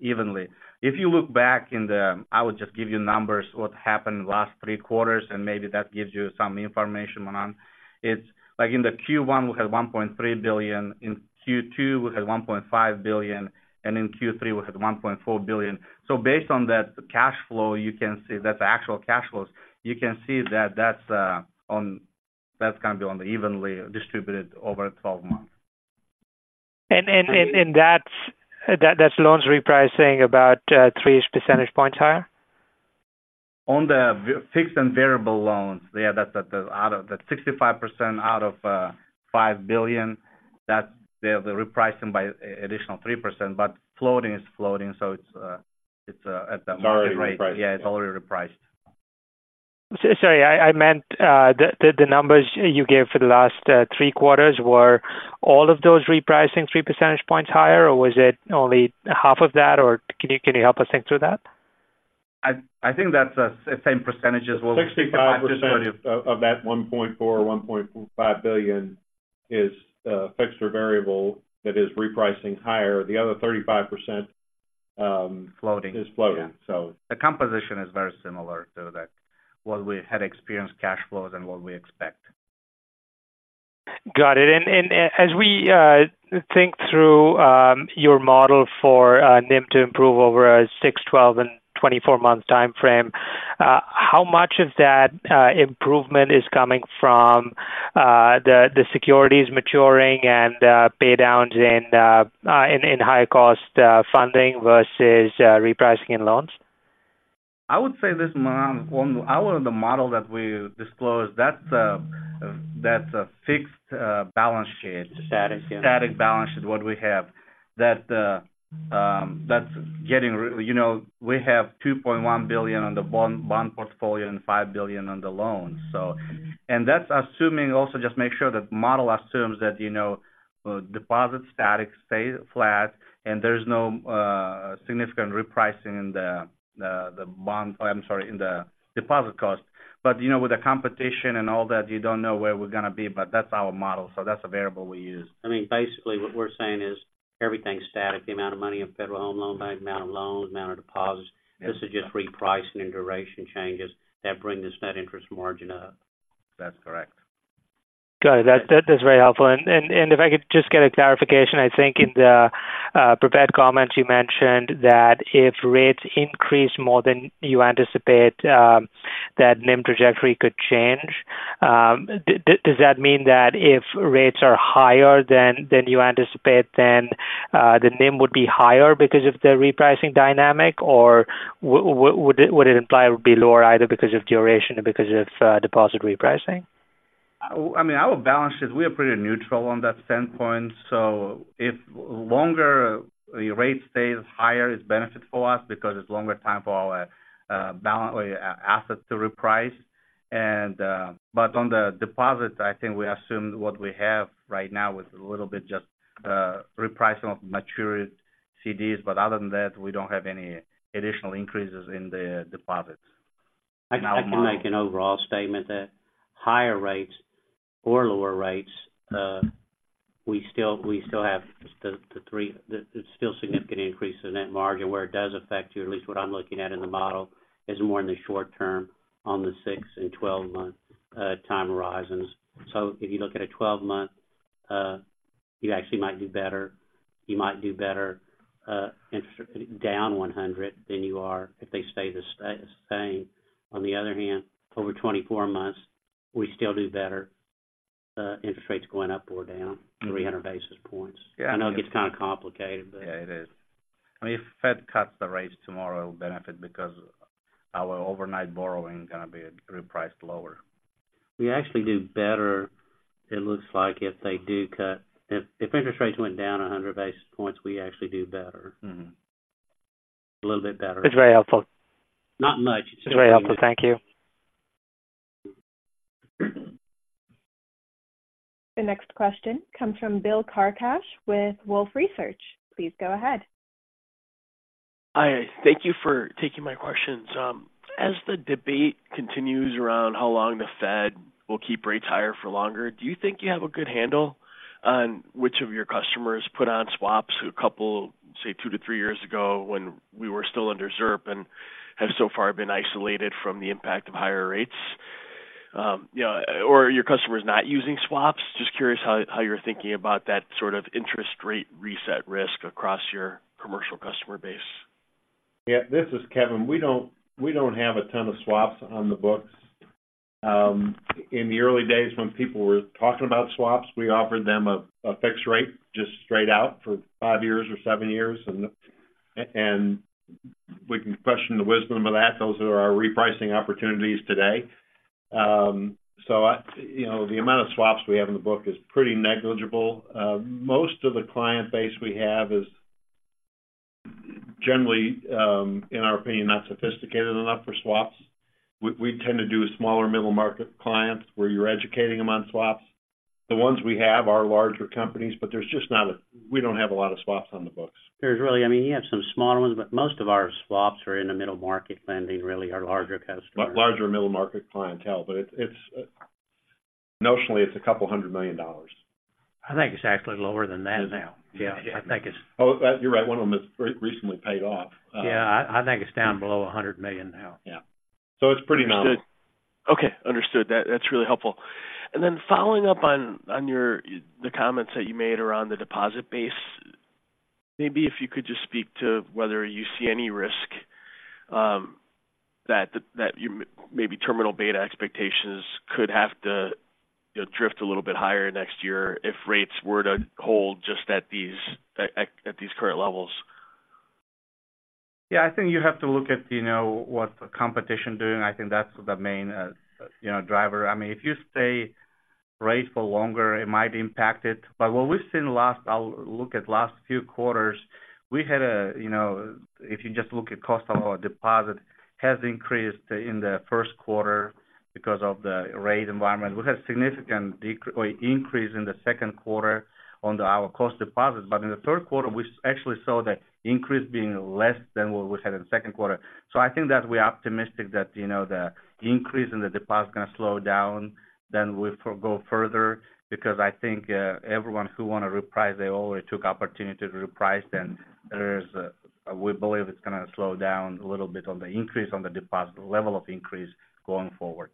evenly. If you look back in the, I would just give you numbers, what happened last 3 quarters, and maybe that gives you some information on. It's like in the Q1, we had $1.3 billion; in Q2, we had $1.5 billion, and in Q3, we had $1.4 billion. So based on that cash flow, you can see, that's actual cash flows, you can see that that's, that's gonna be evenly distributed over 12 months. That's loans repricing about three percentage points higher? On the fixed and variable loans, yeah, that's at the out of that 65% out of $5 billion, that's, they're repricing by an additional 3%, but floating is floating, so it's at the market rate. It's already repriced. Yeah, it's already repriced. Sorry, I meant the numbers you gave for the last 3 quarters. Were all of those repricing 3 percentage points higher, or was it only half of that? Or can you help us think through that? I think that's the same percentage as well. 65% of that $1.4 billion or $1.5 billion is fixed or variable that is repricing higher. The other 35%, Floating. Is floating. Yeah. So. The composition is very similar to that, what we had experienced cash flows and what we expect. Got it. As we think through your model for NIM to improve over a 6, 12, and 24 month time frame, how much of that improvement is coming from the securities maturing and paydowns in higher cost funding versus repricing in loans? I would say this, Manan, on the model that we disclosed, that's a fixed balance sheet. Static, yeah. Static balance sheet, what we have. That, that's getting -- you know, we have $2.1 billion on the bond portfolio and $5 billion on the loans. So -- and that's assuming also just make sure the model assumes that, you know, deposit static stay flat, and there's no significant repricing in the bond -- I'm sorry, in the deposit cost. But, you know, with the competition and all that, you don't know where we're gonna be, but that's our model, so that's the variable we use. I mean, basically what we're saying is everything's static, the amount of money in Federal Home Loan Bank, amount of loans, amount of deposits. Yeah. This is just repricing and duration changes that bring this net interest margin up. That's correct. Got it. That is very helpful. And if I could just get a clarification, I think in the prepared comments, you mentioned that if rates increase more than you anticipate, that NIM trajectory could change. Does that mean that if rates are higher than you anticipate, then the NIM would be higher because of the repricing dynamic? Or would it imply it would be lower, either because of duration or because of deposit repricing? I mean, our balance sheet, we are pretty neutral on that standpoint. So if longer rates stays higher, it's benefit for us because it's longer time for our balance or assets to reprice. But on the deposit, I think we assumed what we have right now with a little bit just repricing of maturity CDs, but other than that, we don't have any additional increases in the deposits. I can, I can make an overall statement that higher rates or lower rates, we still, we still have the, the three - the, there's still significant increase in net margin. Where it does affect you, at least what I'm looking at in the model, is more in the short term on the 6- and 12-month time horizons. So if you look at a 12-month, you actually might do better. You might do better, interest down 100 than you are if they stay the same. On the other hand, over 24 months, we still do better, interest rates going up or down 300 basis points. Yeah. I know it gets kind of complicated, but... Yeah, it is. I mean, if Fed cuts the rates tomorrow, it will benefit because our overnight borrowing is gonna be repriced lower. We actually do better, it looks like, if they do cut—if, if interest rates went down 100 basis points, we actually do better. A little bit better. It's very helpful. Not much. It's very helpful. Thank you. The next question comes from Bill Carcache with Wolfe Research. Please go ahead. Hi, thank you for taking my questions. As the debate continues around how long the Fed will keep rates higher for longer, do you think you have a good handle on which of your customers put on swaps a couple, say, 2-3 years ago when we were still under ZIRP and have so far been isolated from the impact of higher rates? You know, or are your customers not using swaps? Just curious how, how you're thinking about that sort of interest rate reset risk across your commercial customer base.... Yeah, this is Kevin. We don't have a ton of swaps on the books. In the early days when people were talking about swaps, we offered them a fixed rate just straight out for five years or seven years. And we can question the wisdom of that. Those are our repricing opportunities today. So, you know, the amount of swaps we have in the book is pretty negligible. Most of the client base we have is generally, in our opinion, not sophisticated enough for swaps. We tend to do smaller middle market clients, where you're educating them on swaps. The ones we have are larger companies, but there's just not a we don't have a lot of swaps on the books. There's really... I mean, you have some smaller ones, but most of our swaps are in the middle market lending, really, our larger customers. Larger middle market clientele, but it's notionally $200 million. I think it's actually lower than that now. Yeah. I think it's- Oh, you're right. One of them is recently paid off. Yeah, I, I think it's down below $100 million now. Yeah. So it's pretty nominal. Okay, understood. That's really helpful. And then following up on your comments that you made around the deposit base, maybe if you could just speak to whether you see any risk that you—maybe terminal beta expectations could have to, you know, drift a little bit higher next year if rates were to hold just at these current levels? Yeah, I think you have to look at, you know, what the competition doing. I think that's the main, you know, driver. I mean, if you stay rates for longer, it might impact it. But what we've seen. I'll look at last few quarters, we had a, you know, if you just look at cost of our deposit, has increased in the Q1 because of the rate environment. We had significant increase in the Q2 on the, our cost deposits. But in the Q3, we actually saw the increase being less than what we had in the Q2. So I think that we're optimistic that, you know, the increase in the deposit is gonna slow down, then we'll go further, because I think, everyone who want to reprice, they already took opportunity to reprice, then there is a, we believe it's gonna slow down a little bit on the increase on the deposit, level of increase going forward.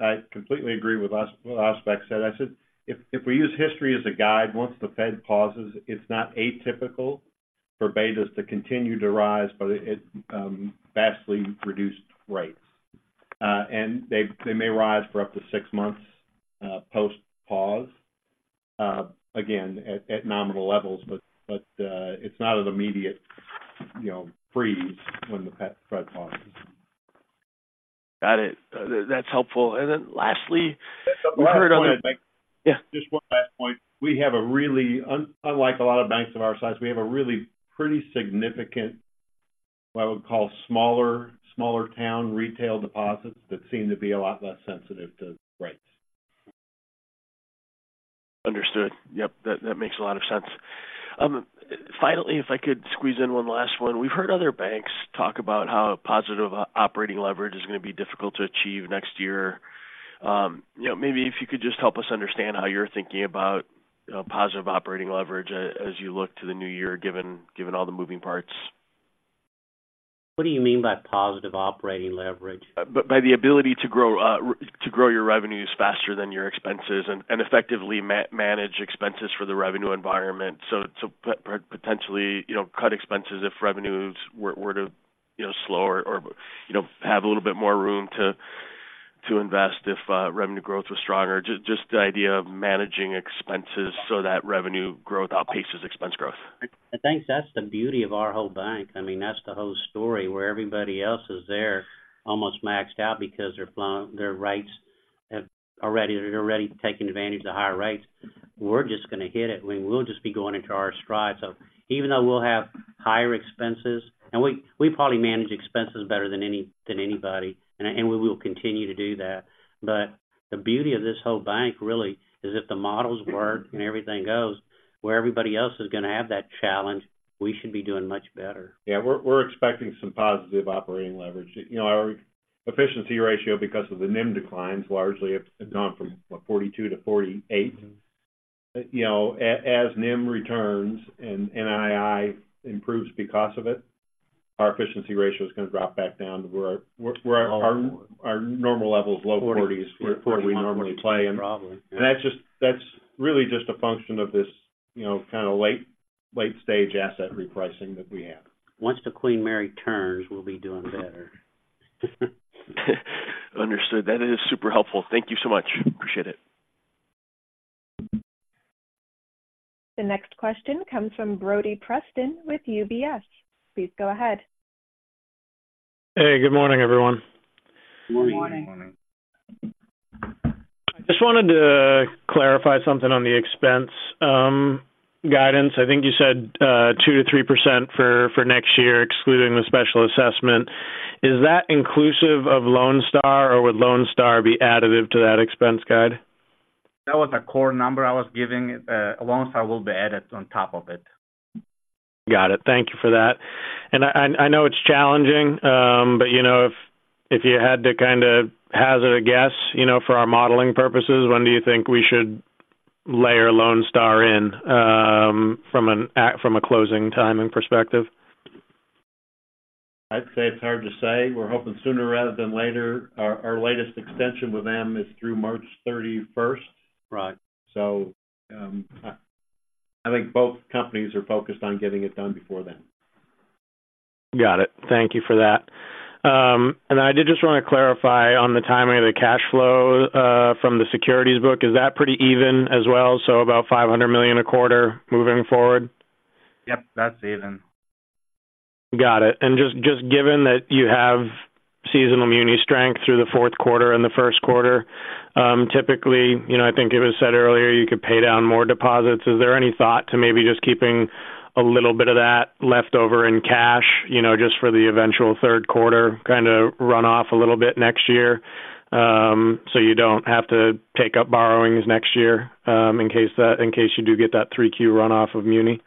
I completely agree with what Asylbek Osmonov, I said, if we use history as a guide, once the Fed pauses, it's not atypical for betas to continue to rise, but it vastly reduced rates. And they may rise for up to six months post-pause, again, at nominal levels, but it's not an immediate, you know, freeze when the Fed pauses. Got it. That's helpful. And then lastly, we heard of- Just one last point. Yeah. Just one last point. We have a really unlike a lot of banks of our size, we have a really pretty significant, what I would call smaller, smaller town retail deposits that seem to be a lot less sensitive to rates. Understood. Yep, that, that makes a lot of sense. Finally, if I could squeeze in one last one. We've heard other banks talk about how positive operating leverage is going to be difficult to achieve next year. You know, maybe if you could just help us understand how you're thinking about positive operating leverage as you look to the new year, given all the moving parts. What do you mean by positive operating leverage? By the ability to grow your revenues faster than your expenses and effectively manage expenses for the revenue environment. So potentially, you know, cut expenses if revenues were to, you know, slow or, you know, have a little bit more room to invest if revenue growth was stronger. Just the idea of managing expenses so that revenue growth outpaces expense growth. I think that's the beauty of our whole bank. I mean, that's the whole story, where everybody else is there, almost maxed out because they're flying, their rates have already, already taken advantage of higher rates. We're just gonna hit it. We will just be going into our stride. So even though we'll have higher expenses, and we, we probably manage expenses better than anybody, and we will continue to do that. But the beauty of this whole bank, really, is if the models work and everything goes, where everybody else is gonna have that challenge, we should be doing much better. Yeah, we're expecting some positive operating leverage. You know, our efficiency ratio, because of the NIM declines, largely have gone from what, 42-48. You know, as NIM returns and NII improves because of it, our efficiency ratio is going to drop back down to where our normal level is low 40s, where we normally play. Probably. And that's just, that's really just a function of this, you know, kind of late, late-stage asset repricing that we have. Once the Queen Mary turns, we'll be doing better. Understood. That is super helpful. Thank you so much. Appreciate it. The next question comes from Brodie Preston with UBS. Please go ahead. Hey, good morning, everyone. Good morning. Good morning. Good morning. I just wanted to clarify something on the expense guidance. I think you said 2%-3% for next year, excluding the special assessment. Is that inclusive of Lone Star, or would Lone Star be additive to that expense guide? That was a core number I was giving. Lone Star will be added on top of it. Got it. Thank you for that. And I know it's challenging, but, you know, if you had to kind of hazard a guess, you know, for our modelling purposes, when do you think we should layer Lone Star in, from a closing timing perspective? I'd say it's hard to say. We're hoping sooner rather than later. Our latest extension with them is through March thirty-first. Right. I think both companies are focused on getting it done before then. Got it. Thank you for that. I did just want to clarify on the timing of the cash flow from the securities book. Is that pretty even as well, so about $500 million a quarter moving forward? Yep, that's even. Got it. And just given that you have seasonal muni strength through the Q4 and the Q1, typically, you know, I think it was said earlier, you could pay down more deposits. Is there any thought to maybe just keeping a little bit of that left over in cash, you know, just for the eventual Q3 kind of run off a little bit next year, so you don't have to take up borrowings next year, in case you do get that 3Q runoff of muni?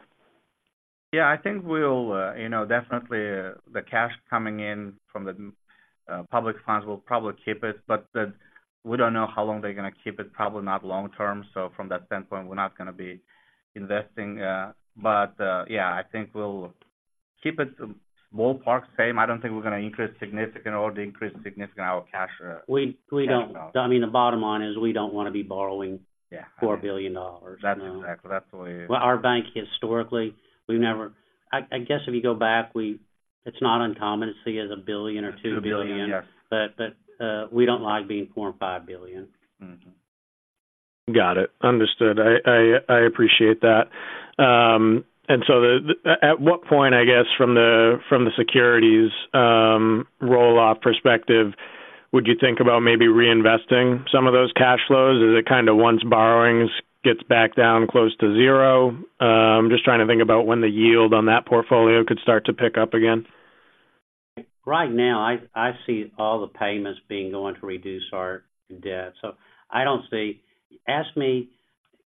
Yeah, I think we'll, you know, definitely, the cash coming in from the public funds will probably keep it, but the, we don't know how long they're gonna keep it, probably not long term. So from that standpoint, we're not gonna be investing, but, yeah, I think we'll keep it ballpark same. I don't think we're gonna increase significant or increase significant our cash. We don't... I mean, the bottom line is, we don't wanna be borrowing- Yeah. $4 billion. That's exactly. That's the way- Well, our bank, historically, we've never... I, I guess if you go back, we—it's not uncommon to see $1 billion or $2 billion. $1 billion, yes. But, we don't like being $4 billion or $5 billion. Mm-hmm. Got it. Understood. I appreciate that. And so at what point, I guess, from the securities roll-off perspective, would you think about maybe reinvesting some of those cash flows? Is it kind of once borrowings gets back down close to zero? Just trying to think about when the yield on that portfolio could start to pick up again. Right now, I see all the payments being going to reduce our debt, so I don't see... Ask me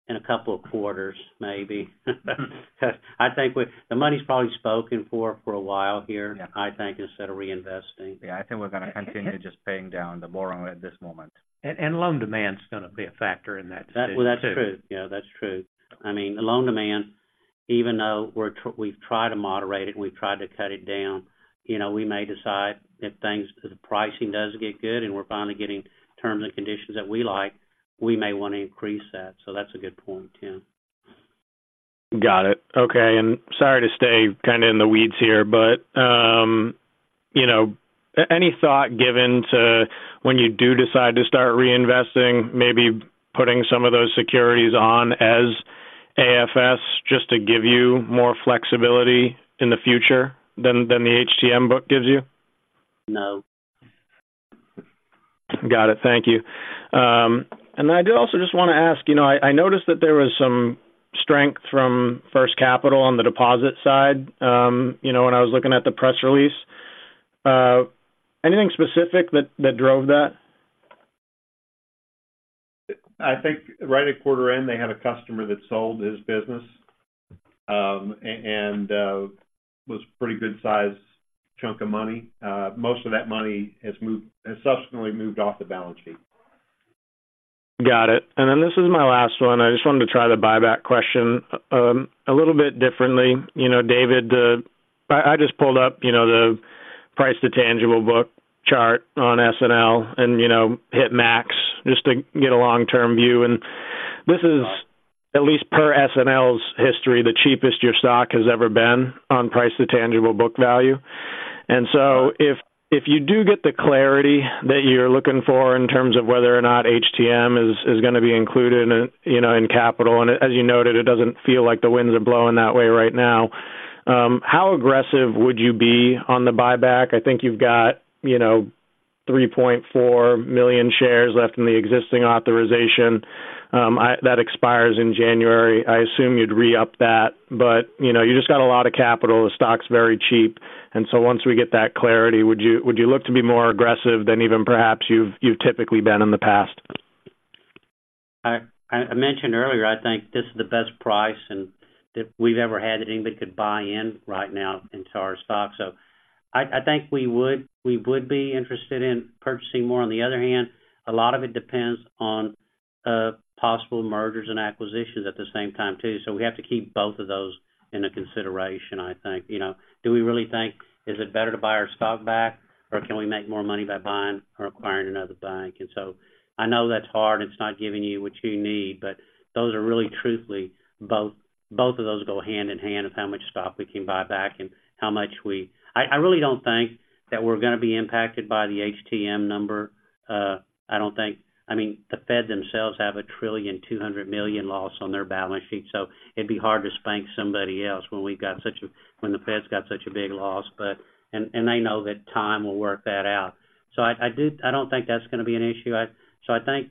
in a couple of quarters, maybe. Because I think we, the money's probably spoken for for a while here- Yeah I think, instead of reinvesting. Yeah, I think we're gonna continue just paying down the borrowing at this moment. And loan demand is gonna be a factor in that too. Well, that's true. Yeah, that's true. I mean, the loan demand, even though we've tried to moderate it and we've tried to cut it down, you know, we may decide if things, the pricing does get good and we're finally getting terms and conditions that we like, we may want to increase that. So that's a good point, too. Got it. Okay, and sorry to stay kinda in the weeds here, but, you know, any thought given to when you do decide to start reinvesting, maybe putting some of those securities on as AFS, just to give you more flexibility in the future than, than the HTM book gives you? No. Got it. Thank you. I did also just want to ask, you know, I noticed that there was some strength from First Capital on the deposit side, you know, when I was looking at the press release. Anything specific that drove that? I think right at quarter end, they had a customer that sold his business, and was pretty good size chunk of money. Most of that money has subsequently moved off the balance sheet. Got it. Then this is my last one. I just wanted to try the buyback question a little bit differently. You know, David, I just pulled up, you know, the price to tangible book chart on SNL and, you know, hit Max just to get a long-term view. And this is at least per SNL's history, the cheapest your stock has ever been on price to tangible book value. And so if you do get the clarity that you're looking for in terms of whether or not HTM is gonna be included in, you know, in capital, and as you noted, it doesn't feel like the winds are blowing that way right now, how aggressive would you be on the buyback? I think you've got, you know, 3.4 million shares left in the existing authorization. That expires in January. I assume you'd re-up that, but, you know, you just got a lot of capital. The stock's very cheap. And so once we get that clarity, would you, would you look to be more aggressive than even perhaps you've, you've typically been in the past? I mentioned earlier, I think this is the best price and that we've ever had that anybody could buy in right now into our stock. So I think we would be interested in purchasing more. On the other hand, a lot of it depends on possible mergers and acquisitions at the same time, too. So we have to keep both of those in a consideration, I think. You know, do we really think, is it better to buy our stock back, or can we make more money by buying or acquiring another bank? And so I know that's hard, it's not giving you what you need, but those are really truthfully, both of those go hand in hand of how much stock we can buy back and how much we... I really don't think that we're gonna be impacted by the HTM number. I don't think. I mean, the Fed themselves have a $1 trillion 200 million loss on their balance sheet, so it'd be hard to spank somebody else when we've got such a, when the Fed's got such a big loss, but they know that time will work that out. So I don't think that's gonna be an issue. So I think,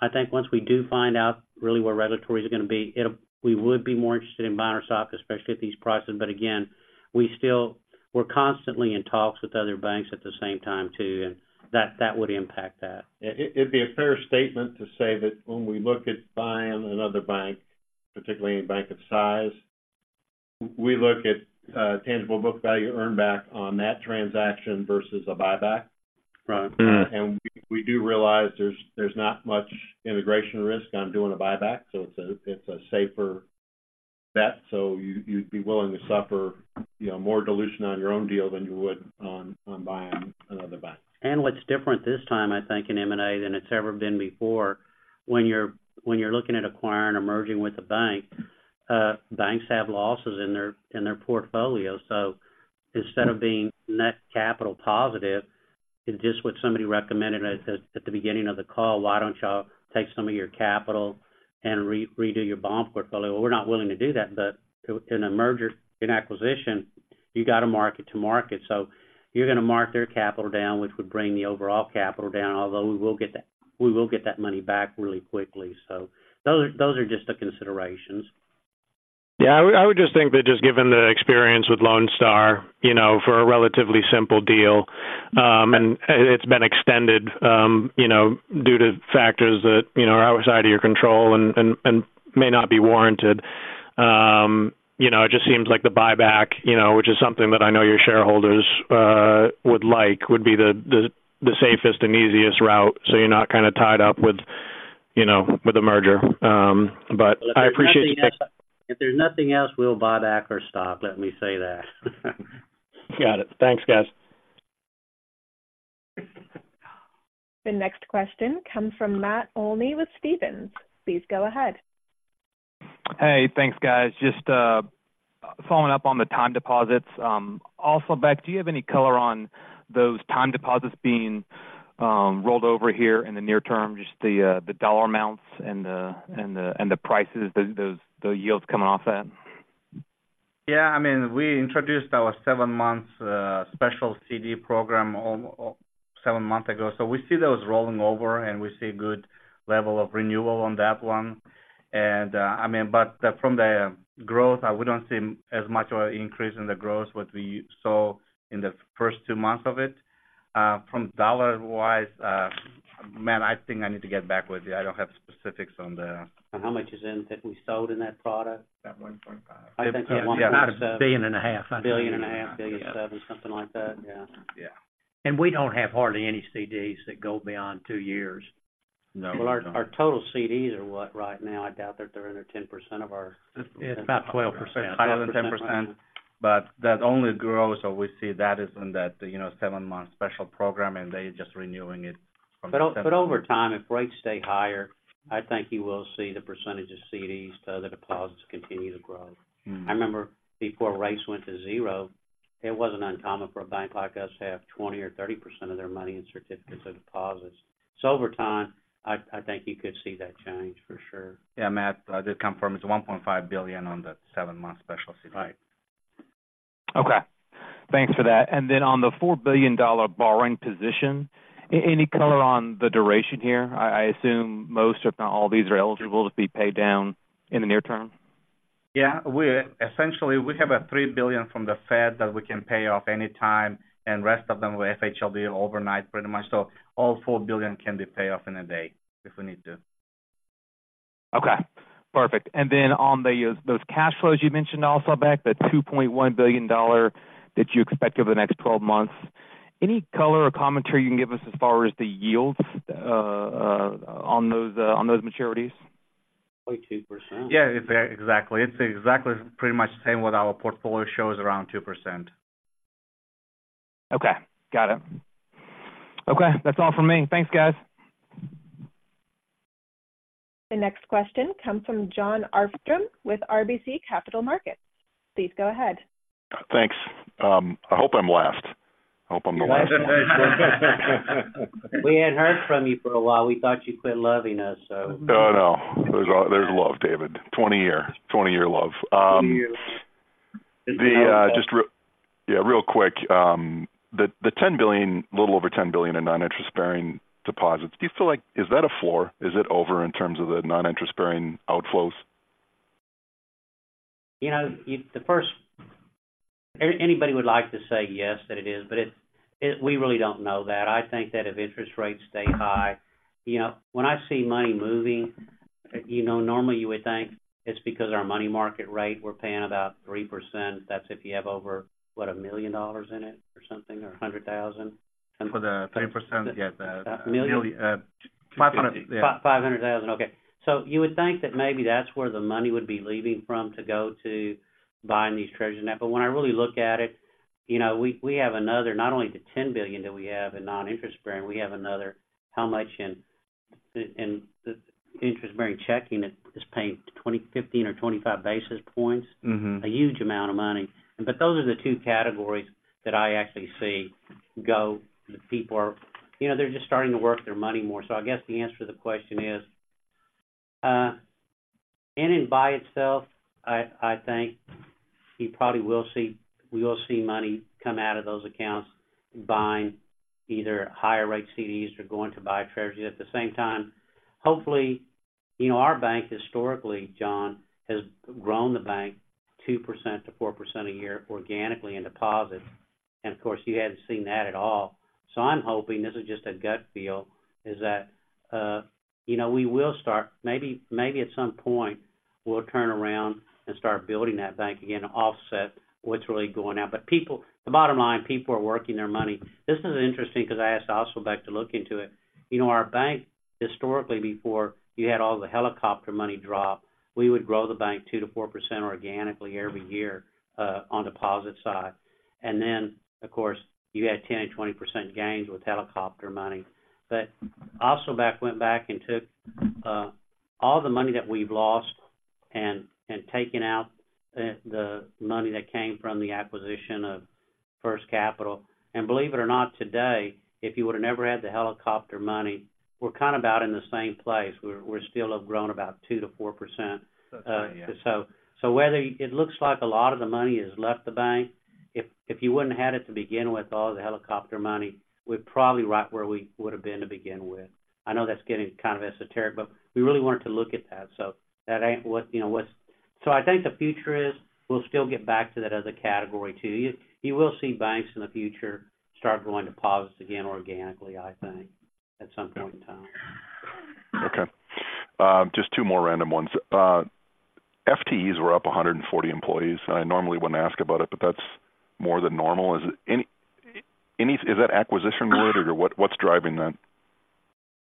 I think once we do find out really where regulatory is gonna be, it'll, we would be more interested in buying our stock, especially at these prices. But again, we still, we're constantly in talks with other banks at the same time, too, and that, that would impact that. It'd be a fair statement to say that when we look at buying another bank, particularly a bank of size, we look at tangible book value earn back on that transaction versus a buyback. Right. And we do realize there's not much integration risk on doing a buyback, so it's a safer bet, so you'd be willing to suffer you know, more dilution on your own deal than you would on buying another bank. And what's different this time, I think, in M&A than it's ever been before, when you're looking at acquiring or merging with a bank, banks have losses in their portfolio. So instead of being net capital positive, and just what somebody recommended at the beginning of the call, why don't y'all take some of your capital and re-redo your bond portfolio? We're not willing to do that. But in a merger and acquisition, you got to mark to market. So you're going to mark their capital down, which would bring the overall capital down, although we will get that, we will get that money back really quickly. So those are just the considerations. Yeah, I would, I would just think that just given the experience with Lone Star, you know, for a relatively simple deal, and it's been extended, you know, due to factors that, you know, are outside of your control and, and, and may not be warranted. You know, it just seems like the buyback, you know, which is something that I know your shareholders would like, would be the, the, the safest and easiest route, so you're not kind of tied up with, you know, with a merger. But I appreciate the- If there's nothing else, we'll buy back our stock, let me say that. Got it. Thanks, guys. The next question comes from Matt Olney with Stephens. Please go ahead. Hey, thanks, guys. Just following up on the time deposits. Asylbeck, do you have any color on those time deposits being rolled over here in the near term, just the dollar amounts and the prices, those yields coming off that? Yeah, I mean, we introduced our seven-month special CD program seven months ago. So we see those rolling over, and we see good level of renewal on that one. And, I mean, but from the growth, we don't see as much of an increase in the growth what we saw in the first two months of it. From dollar-wise, Matt, I think I need to get back with you. I don't have specifics on the- How much is in that we sold in that product? About 1.5. I think about $1.5 billion. $1.5 billion, $1.7 billion, something like that. Yeah. Yeah. We don't have hardly any CDs that go beyond two years. No. Well, our total CDs are what right now? I doubt that they're under 10% of our- It's about 12%, higher than 10%, but that only grows, so we see that is in that, you know, 7-month special program, and they're just renewing it from- Over time, if rates stay higher, I think you will see the percentage of CDs to other deposits continue to grow. I remember before rates went to zero, it wasn't uncommon for a bank like us to have 20% or 30% of their money in certificates of deposit. So over time, I think you could see that change for sure. Yeah, Matt, I did confirm it's $1.5 billion on the seven-month special CD. Right. Okay. Thanks for that. And then on the $4 billion borrowing position, any color on the duration here? I, I assume most, if not all, these are eligible to be paid down in the near term. Yeah, we, essentially, we have $3 billion from the Fed that we can pay off any time, and rest of them with FHL overnight, pretty much. So all $4 billion can be paid off in a day if we need to. Okay, perfect. And then on those cash flows you mentioned also, Beck, the $2.1 billion that you expect over the next twelve months, any color or commentary you can give us as far as the yields on those maturities? Like 2%. Yeah, exactly. It's exactly pretty much the same what our portfolio shows, around 2%. Okay, got it. Okay, that's all for me. Thanks, guys. The next question comes from Jon Arfstrom with RBC Capital Markets. Please go ahead. Thanks. I hope I'm last. I hope I'm the last one. We ain't heard from you for a while. We thought you quit loving us, so... No, no. There's, there's love, David. 20 year, 20-year love. Twenty years. Yeah, real quick, the $10 billion, a little over $10 billion in non-interest bearing deposits, do you feel like... Is that a floor? Is it over in terms of the non-interest bearing outflows? You know, the first—anybody would like to say yes, that it is, but it, it—we really don't know that. I think that if interest rates stay high, you know, when I see money moving, you know, normally you would think it's because our money market rate, we're paying about 3%. That's if you have over, what, $1 million in it or something, or $100,000. For the 3%, yes, the- A million? 500, yeah. $500,000, okay. So you would think that maybe that's where the money would be leaving from to go to buying these Treasuries now. But when I really look at it, you know, we have another, not only the $10 billion that we have in non-interest bearing, we have another, how much in the interest-bearing checking that is paying 15 or 25 basis points? A huge amount of money. But those are the two categories that I actually see go. The people are, you know, they're just starting to work their money more. So I guess the answer to the question is, in and by itself, I, I think you probably will see—we will see money come out of those accounts buying either higher rate CDs or going to buy treasuries. At the same time, hopefully, you know, our bank, historically, John, has grown the bank 2%-4% a year organically in deposits. And of course, you haven't seen that at all. So I'm hoping, this is just a gut feel, is that, you know, we will start—maybe, maybe at some point we'll turn around and start building that bank again to offset what's really going out. But people—the bottom line, people are working their money. This is interesting because I asked also Beck to look into it. You know, our bank, historically, before you had all the helicopter money, we would grow the bank 2%-4% organically every year on deposit side. And then, of course, you had 10% and 20% gains with helicopter money. But also, went back and took all the money that we've lost and taken out the money that came from the acquisition of First Capital. And believe it or not, today, if you would have never had the helicopter money, we're kind of out in the same place. We're still have grown about 2%-4%. That's right, yeah. So whether it looks like a lot of the money has left the bank, if you wouldn't had it to begin with, all the helicopter money, we're probably right where we would have been to begin with. I know that's getting kind of esoteric, but we really wanted to look at that. So that ain't what, you know, what's-- So I think the future is, we'll still get back to that other category, too. You will see banks in the future start growing deposits again, organically, I think, at some point in time. Okay. Just two more random ones. FTEs were up 140 employees. I normally wouldn't ask about it, but that's more than normal. Is it any acquisition related, or what's driving that?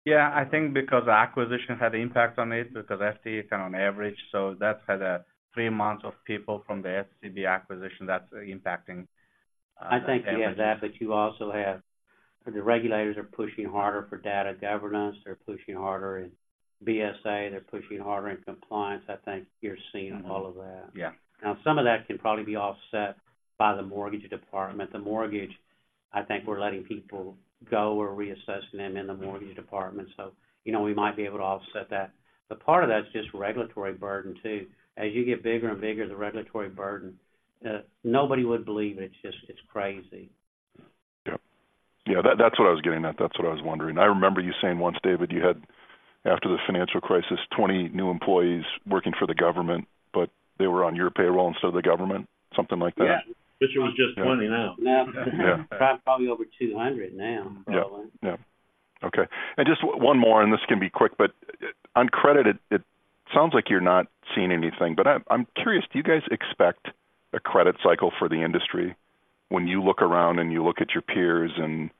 Yeah, I think because the acquisition had an impact on it, because FTE is kind of on average, so that's had three months of people from the FCB acquisition that's impacting - I think you have that, but you also have... the regulators are pushing harder for data governance. They're pushing harder in BSA, they're pushing harder in compliance. I think you're seeing all of that. Yeah. Now, some of that can probably be offset by the mortgage department. The mortgage, I think we're letting people go or reassessing them in the mortgage department. So, you know, we might be able to offset that. But part of that is just regulatory burden, too. As you get bigger and bigger, the regulatory burden, nobody would believe it. It's just, it's crazy. Yeah. Yeah, that, that's what I was getting at. That's what I was wondering. I remember you saying once, David, you had, after the financial crisis, 20 new employees working for the government, but they were on your payroll instead of the government, something like that? Yeah. Bet you it's just 20 now. Yeah. Probably over 200 now, probably. Yeah. Yeah. Okay, and just one more, and this can be quick, but on credit, it sounds like you're not seeing anything. But I'm curious, do you guys expect a credit cycle for the industry? When you look around and you look at your peers and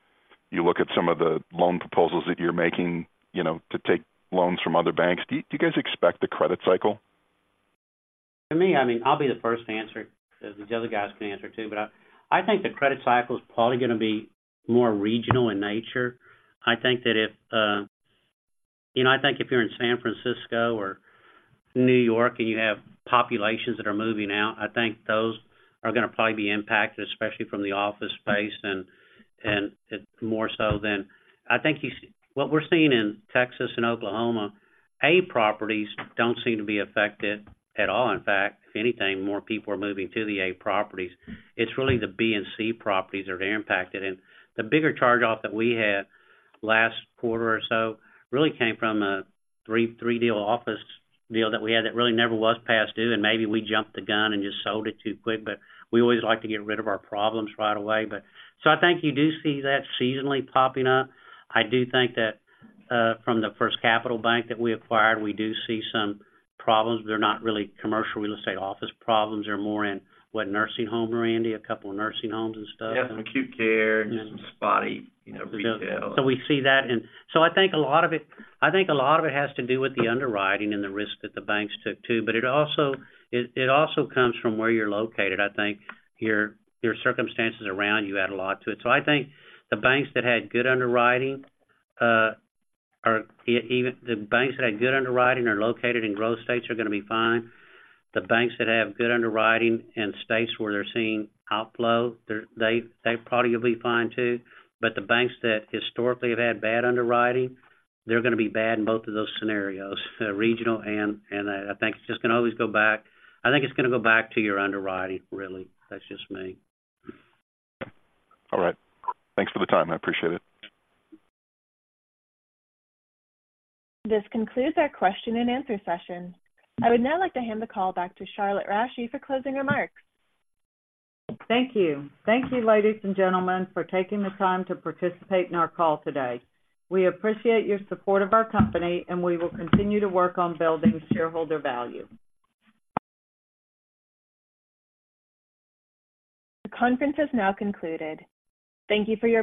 you look at some of the loan proposals that you're making, you know, to take loans from other banks, do you guys expect a credit cycle? To me, I mean, I'll be the first to answer. The other guys can answer, too. But I, I think the credit cycle is probably going to be more regional in nature. I think that if, you know, I think if you're in San Francisco or New York and you have populations that are moving out, I think those are going to probably be impacted, especially from the office space and, and more so than... I think you-- what we're seeing in Texas and Oklahoma, A properties don't seem to be affected at all. In fact, if anything, more people are moving to the A properties. It's really the B and C properties that are impacted. And the bigger charge-off that we had last quarter or so really came from a three, three-deal office deal that we had that really never was past due, and maybe we jumped the gun and just sold it too quick, but we always like to get rid of our problems right away, but... So I think you do see that seasonally popping up. I do think that from the First Capital Bank that we acquired, we do see some problems. They're not really commercial real estate office problems; they're more in, what, nursing home, Randy? A couple of nursing homes and stuff. Yeah, some acute care and some spotty, you know, retail. So I think a lot of it, I think a lot of it has to do with the underwriting and the risk that the banks took, too. But it also comes from where you're located. I think your circumstances around you add a lot to it. So I think the banks that had good underwriting are even located in growth states are going to be fine. The banks that have good underwriting in states where they're seeing outflow, they probably will be fine, too. But the banks that historically have had bad underwriting, they're going to be bad in both of those scenarios, regional and I think it's just going to always go back... I think it's going to go back to your underwriting, really. That's just me. All right. Thanks for the time. I appreciate it. This concludes our question and answer session. I would now like to hand the call back to Charlotte Rasche for closing remarks. Thank you. Thank you, ladies and gentlemen, for taking the time to participate in our call today. We appreciate your support of our company, and we will continue to work on building shareholder value. The conference is now concluded. Thank you for your participation.